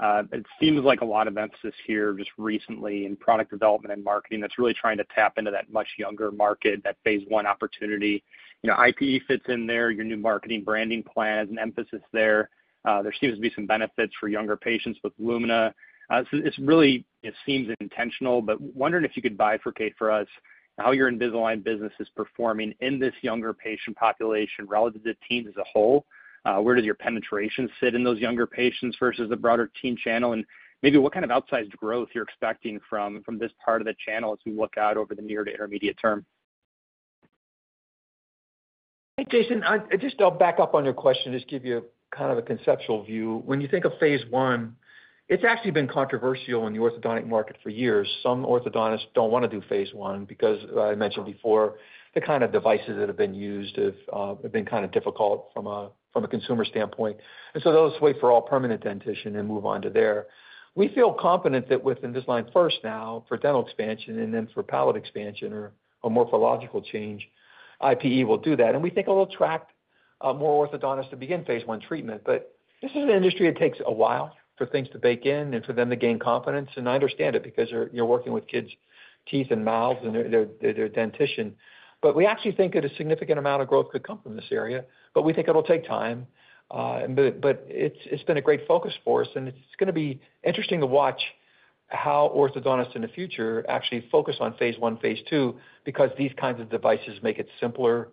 It seems like a lot of emphasis here just recently in product development and marketing that's really trying to tap into that much younger market, that phase I opportunity. You know, IPE fits in there, your new marketing branding plan has an emphasis there. There seems to be some benefits for younger patients with Lumina. So it's really, it seems intentional, but wondering if you could bifurcate for us, how your Invisalign business is performing in this younger patient population relative to teens as a whole? Where does your penetration sit in those younger patients versus the broader teen channel? Maybe what kind of outsized growth you're expecting from this part of the channel as we look out over the near to intermediate term? Hey, Jason, just to back up on your question, just give you kind of a conceptual view. When you think of phase I, it's actually been controversial in the orthodontic market for years. Some orthodontists don't want to do phase I because, as I mentioned before, the kind of devices that have been used have been kind of difficult from a consumer standpoint, and so they'll just wait for all permanent dentition and move on to there. We feel confident that with Invisalign First now, for dental expansion and then for palate expansion or a morphological change, IPE will do that. And we think it will attract more orthodontists to begin phase I treatment. But this is an industry that takes a while for things to bake in and for them to gain confidence. And I understand it, because you're working with kids' teeth and mouths and their dentition. But we actually think that a significant amount of growth could come from this area, but we think it'll take time. But it's been a great focus for us, and it's gonna be interesting to watch how orthodontists in the future actually focus on phase I, phase II, because these kinds of devices make it simpler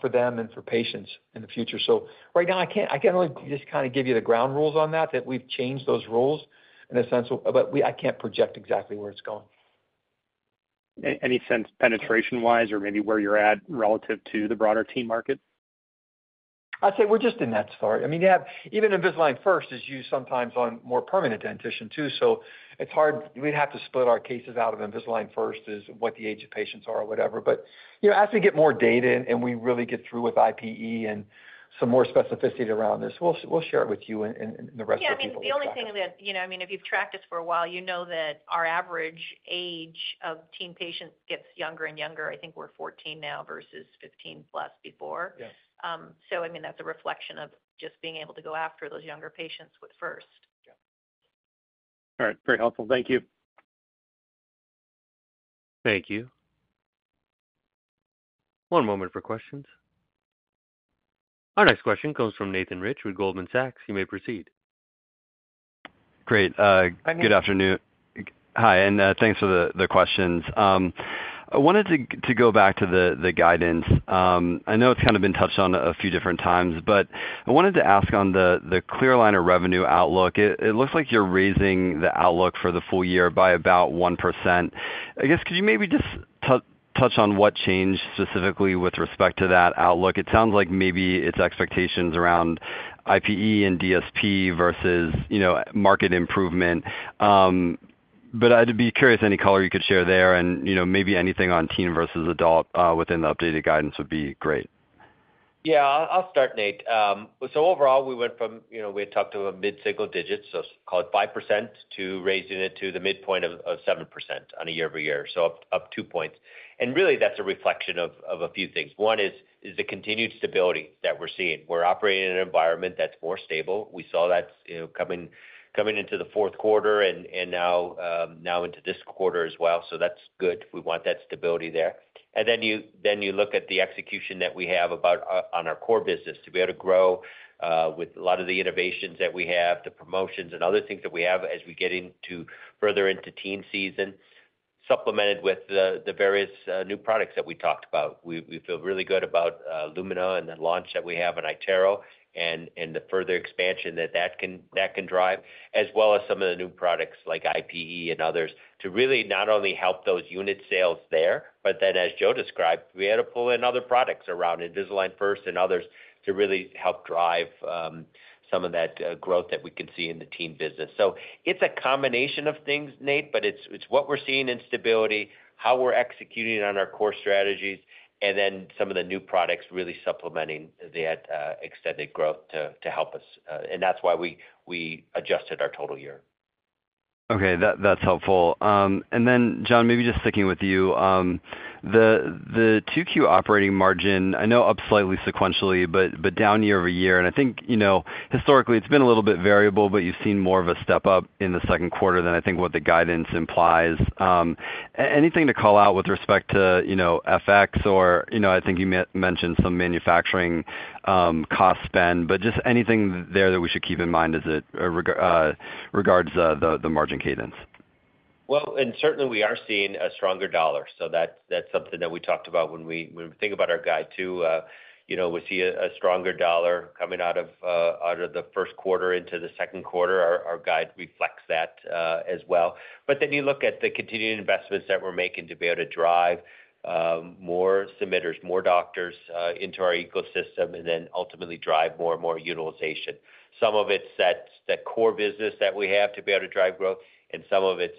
for them and for patients in the future. So right now, I can't, I can only just kind of give you the ground rules on that we've changed those rules in a sense, but we, I can't project exactly where it's going. Any sense, penetration-wise, or maybe where you're at relative to the broader teen market? I'd say we're just in that story. I mean, you have even Invisalign First is used sometimes on more permanent dentition, too, so it's hard. We'd have to split our cases out of Invisalign First is, what the age of patients are or whatever. But, you know, as we get more data in and we really get through with IPE and some more specificity around this, we'll, we'll share it with you and, and the rest of the people. Yeah, I mean, the only thing that. You know, I mean, if you've tracked us for a while, you know that our average age of teen patients gets younger and younger. I think we're 14 now versus 15+ before. Yes. So, I mean, that's a reflection of just being able to go after those younger patients with First. Yeah. All right. Very helpful. Thank you. Thank you... One moment for questions. Our next question comes from Nathan Rich with Goldman Sachs. You may proceed. Great. Good afternoon. Hi, and thanks for the questions. I wanted to go back to the guidance. I know it's kind of been touched on a few different times, but I wanted to ask on the clear aligner revenue outlook. It looks like you're raising the outlook for the full-year by about 1%. I guess, could you maybe just touch on what changed specifically with respect to that outlook? It sounds like maybe it's expectations around IPE and DSP versus, you know, market improvement. But I'd be curious, any color you could share there and, you know, maybe anything on teen versus adult within the updated guidance would be great. Yeah, I'll, I'll start, Nate. So overall, we went from, you know, we had talked to a mid-single-digits, so call it 5%, to raising it to the midpoint of 7% on a year-over-year, so up two points. And really, that's a reflection of a few things. One is the continued stability that we're seeing. We're operating in an environment that's more stable. We saw that, you know, coming into the fourth quarter and now into this quarter as well, so that's good. We want that stability there. And then you look at the execution that we have about on our core business to be able to grow with a lot of the innovations that we have, the promotions and other things that we have as we get into further into teen season, supplemented with the various new products that we talked about. We feel really good about Lumina and the launch that we have in iTero, and the further expansion that that can drive, as well as some of the new products like IPE and others, to really not only help those unit sales there, but then, as Joe described, we had to pull in other products around Invisalign First and others to really help drive some of that growth that we can see in the teen business. It's a combination of things, Nate, but it's what we're seeing in stability, how we're executing on our core strategies, and then some of the new products really supplementing that, extended growth to help us, and that's why we adjusted our total year. Okay, that's helpful. Then John, maybe just sticking with you. The 2Q operating margin, I know up slightly sequentially, but down year-over-year, and I think, you know, historically it's been a little bit variable, but you've seen more of a step up in the second quarter than I think what the guidance implies. Anything to call out with respect to, you know, FX or, you know, I think you mentioned some manufacturing cost spend, but just anything there that we should keep in mind as it regards the margin cadence? Well, and certainly we are seeing a stronger U.S. dollar, so that's something that we talked about when we think about our guide two, you know, we see a stronger U.S. dollar coming out of the first quarter into the second quarter. Our guide reflects that as well. But then you look at the continuing investments that we're making to be able to drive more submitters, more doctors into our ecosystem, and then ultimately drive more and more utilization. Some of it's that core business that we have to be able to drive growth, and some of it's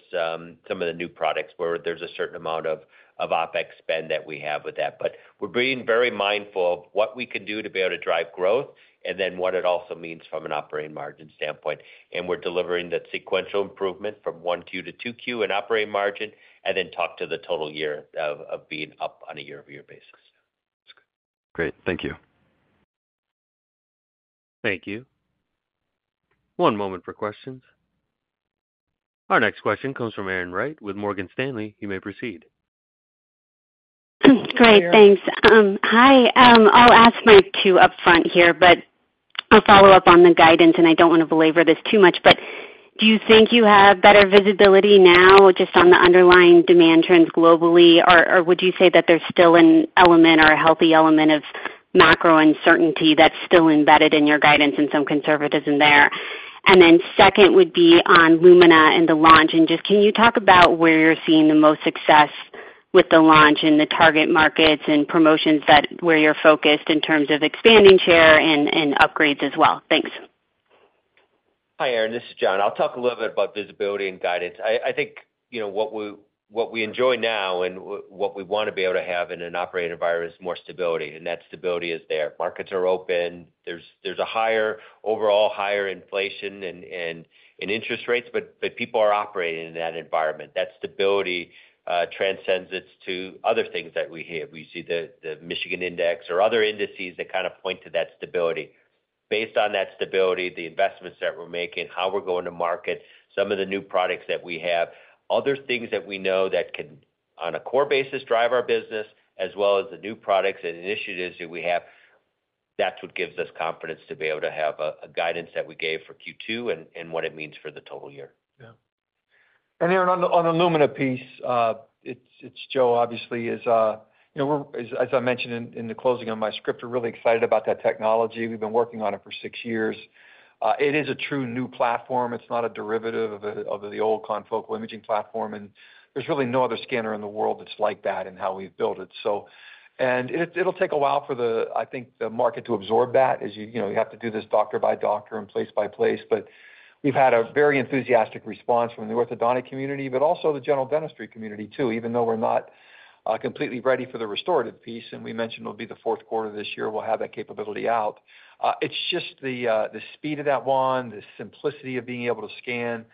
some of the new products where there's a certain amount of OpEx spend that we have with that. But we're being very mindful of what we can do to be able to drive growth, and then what it also means from an operating margin standpoint. And we're delivering that sequential improvement from 1Q-2Q in operating margin, and then talk to the total year of being up on a year-over-year basis. That's great. Thank you. Thank you. One moment for questions. Our next question comes from Erin Wright with Morgan Stanley. You may proceed. Great, thanks. Hi, I'll ask my two upfront here, but I'll follow up on the guidance, and I don't want to belabor this too much, but do you think you have better visibility now just on the underlying demand trends globally, or, or would you say that there's still an element or a healthy element of macro uncertainty that's still embedded in your guidance and some conservatism there? And then second would be on Lumina and the launch, and just can you talk about where you're seeing the most success with the launch in the target markets and promotions that where you're focused in terms of expanding share and, and upgrades as well? Thanks. Hi, Erin, this is John. I'll talk a little bit about visibility and guidance. I think, you know, what we enjoy now and what we want to be able to have in an operating environment is more stability, and that stability is there. Markets are open. There's a higher, overall higher inflation and interest rates, but people are operating in that environment. That stability transcends it to other things that we have. We see the Michigan Index or other indices that kind of point to that stability. Based on that stability, the investments that we're making, how we're going to market some of the new products that we have, other things that we know that can, on a core basis, drive our business, as well as the new products and initiatives that we have, that's what gives us confidence to be able to have a, a guidance that we gave for Q2 and, and what it means for the total year. Yeah. And Erin, on the Lumina piece, it's Joe, obviously, you know, we're, as I mentioned in the closing of my script, we're really excited about that technology. We've been working on it for six years. It is a true new platform. It's not a derivative of the old confocal imaging platform, and there's really no other scanner in the world that's like that and how we've built it. So. And it, it'll take a while for the, I think, the market to absorb that, as you, you know, you have to do this doctor by doctor and place by place. But we've had a very enthusiastic response from the orthodontic community, but also the general dentistry community, too, even though we're not completely ready for the restorative piece, and we mentioned it'll be the fourth quarter of this year, we'll have that capability out. It's just the speed of that wand, the simplicity of being able to scan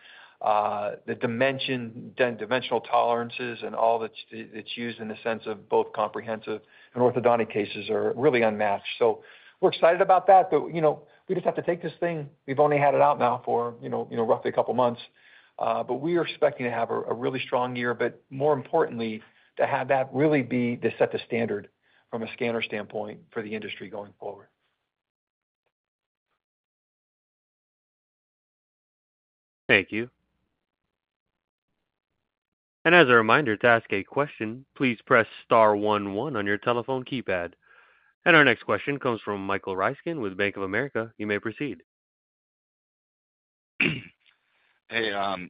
the dimension, then dimensional tolerances and all that's used in the sense of both comprehensive and orthodontic cases are really unmatched. So we're excited about that, but, you know, we just have to take this thing. We've only had it out now for, you know, roughly a couple of months, but we are expecting to have a really strong year, but more importantly, to have that really be to set the standard from a scanner standpoint for the industry going forward. Thank you. As a reminder, to ask a question, please press Star one one on your telephone keypad. Our next question comes from Michael Ryskin with Bank of America. You may proceed. Hey,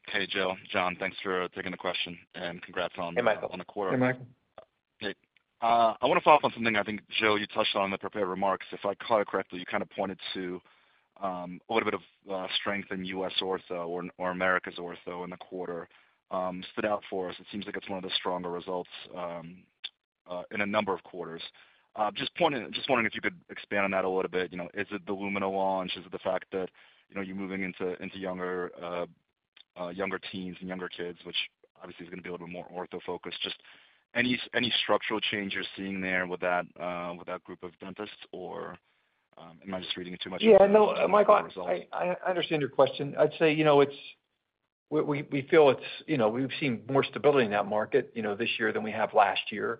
hey, Joe, John, thanks for taking the question, and congrats on Hey, Michael on the quarter. Hey, Michael. Hey, I want to follow up on something I think, Joe, you touched on in the prepared remarks. If I caught it correctly, you kind of pointed to a little bit of strength in US ortho or Americas ortho in the quarter. It stood out for us. It seems like it's one of the stronger results in a number of quarters. Just wondering if you could expand on that a little bit. You know, is it the Lumina launch? Is it the fact that, you know, you're moving into younger teens and younger kids, which obviously is gonna be a little more ortho-focused? Just any structural change you're seeing there with that group of dentists, or am I just reading it too much? Yeah, no, Michael, I understand your question. I'd say, you know, it's we feel it's... You know, we've seen more stability in that market, you know, this year than we have last year.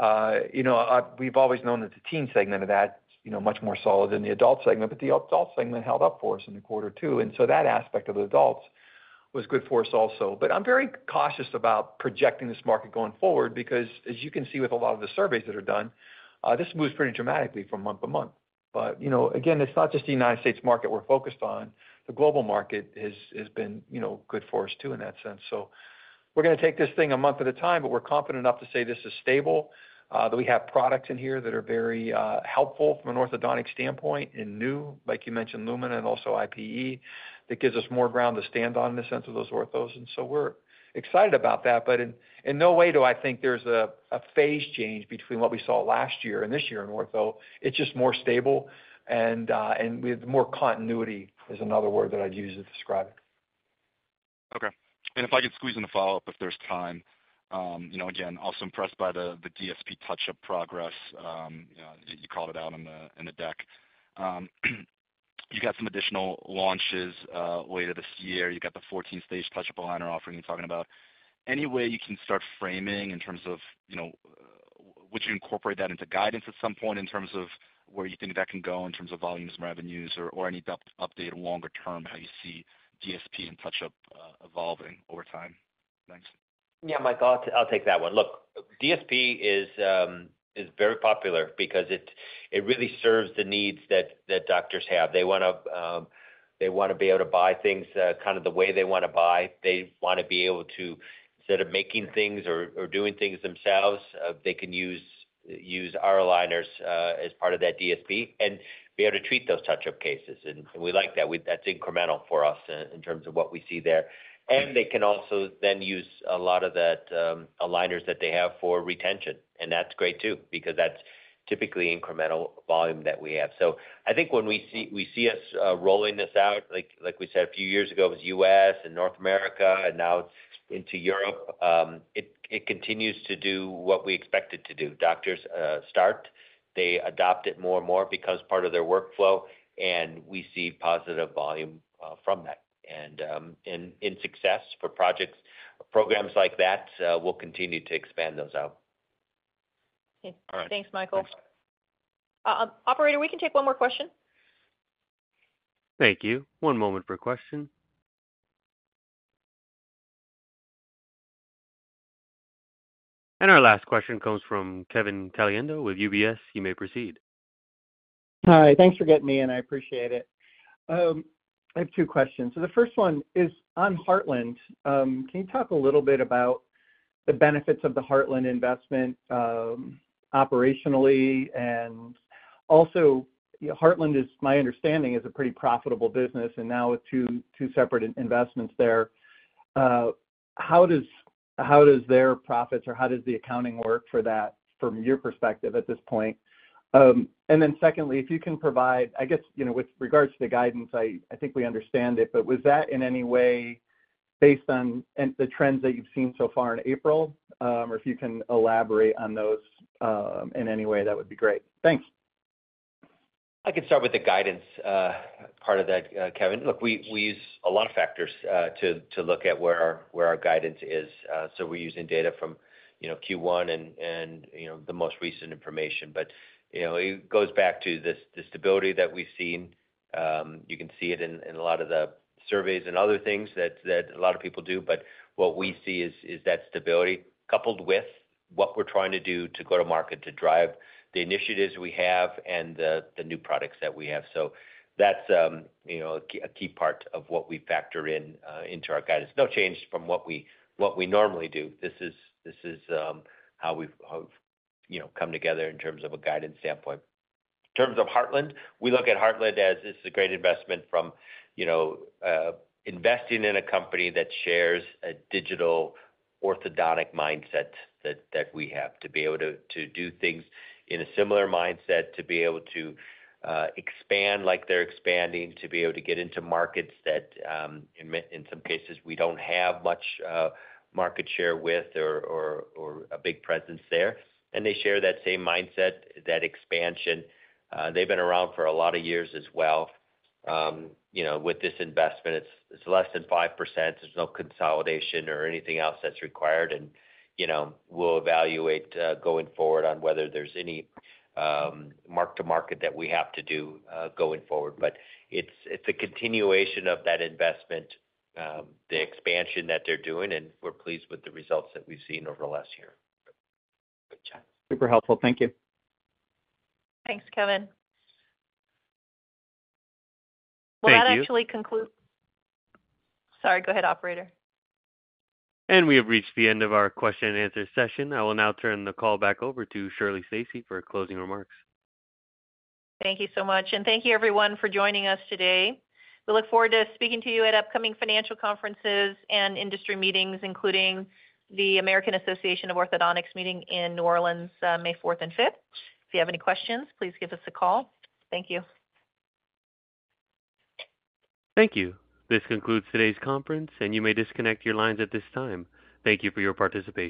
You know, we've always known that the teen segment of that, you know, much more solid than the adult segment, but the adult segment held up for us in the quarter, too, and so that aspect of the adults was good for us also. But I'm very cautious about projecting this market going forward, because, as you can see with a lot of the surveys that are done, this moves pretty dramatically from month to month. But, you know, again, it's not just the United States market we're focused on. The global market has been, you know, good for us, too, in that sense. So we're gonna take this thing a month at a time, but we're confident enough to say this is stable, that we have products in here that are very, helpful from an orthodontic standpoint and new, like you mentioned, Lumina and also IPE. That gives us more ground to stand on in the sense of those orthos, and so we're excited about that. But in, in no way do I think there's a, a phase change between what we saw last year and this year in ortho. It's just more stable and, and with more continuity, is another word that I'd use to describe it. Okay. And if I could squeeze in a follow-up, if there's time. You know, again, also impressed by the the DSP touch-up progress. You called it out in the deck. You got some additional launches later this year. You got the 14-stage touch-up aligner offering you're talking about. Any way you can start framing in terms of, you know, would you incorporate that into guidance at some point, in terms of where you think that can go, in terms of volumes and revenues or any update longer-term, how you see DSP and touch-up evolving over time? Thanks. Yeah, Michael, I'll take that one. Look, DSP is very popular because it really serves the needs that doctors have. They wanna be able to buy things kind of the way they wanna buy. They wanna be able to, instead of making things or doing things themselves, they can use our aligners as part of that DSP and be able to treat those touch-up cases, and we like that. That's incremental for us in terms of what we see there. And they can also then use a lot of that aligners that they have for retention, and that's great, too, because that's typically incremental volume that we have. So I think when we see us rolling this out, like we said, a few years ago, it was U.S. and North America, and now it's into Europe. It continues to do what we expect it to do. Doctors, they adopt it more and more because part of their workflow, and we see positive volume from that. And in success for projects, programs like that, we'll continue to expand those out. Okay. All right. Thanks, Michael. Thanks. Operator, we can take one more question. Thank you. One moment for a question. Our last question comes from Kevin Caliendo with UBS. You may proceed. Hi. Thanks for getting me in. I appreciate it. I have 2 questions. So the first one is on Heartland. Can you talk a little bit about the benefits of the Heartland investment, operationally? And also, Heartland is, my understanding, is a pretty profitable business, and now with 2, 2 separate investments there, how does, how does their profits, or how does the accounting work for that from your perspective at this point? And then secondly, if you can provide... I guess, you know, with regards to the guidance, I think we understand it, but was that in any way based on the trends that you've seen so far in April? Or if you can elaborate on those, in any way, that would be great. Thanks. I can start with the guidance, part of that, Kevin. Look, we use a lot of factors to look at where our guidance is. So we're using data from, you know, Q1 and, you know, the most recent information. But, you know, it goes back to the stability that we've seen. You can see it in a lot of the surveys and other things that a lot of people do. But what we see is that stability coupled with what we're trying to do to go to market, to drive the initiatives we have and the new products that we have. So that's, you know, a key part of what we factor in into our guidance. No change from what we normally do. This is how we have, you know, come together in terms of a guidance standpoint. In terms of Heartland, we look at Heartland as this is a great investment from investing in a company that shares a digital orthodontic mindset that we have, to be able to do things in a similar mindset, to be able to expand like they're expanding, to be able to get into markets that in some cases we don't have much market share with or a big presence there. And they share that same mindset, that expansion. They've been around for a lot of years as well. You know, with this investment, it's less than 5%. There's no consolidation or anything else that's required. You know, we'll evaluate going forward on whether there's any mark-to-market that we have to do going forward. But it's a continuation of that investment, the expansion that they're doing, and we're pleased with the results that we've seen over the last year. Good. Super helpful. Thank you. Thanks, Kevin. Thank you. Will that actually conclude. Sorry, go ahead, operator. And we have reached the end of our question and answer session. I will now turn the call back over to Shirley Stacy for closing remarks. Thank you so much, and thank you everyone for joining us today. We look forward to speaking to you at upcoming financial conferences and industry meetings, including the American Association of Orthodontists meeting in New Orleans, May 4th and 5th. If you have any questions, please give us a call. Thank you. Thank you. This concludes today's conference, and you may disconnect your lines at this time. Thank you for your participation.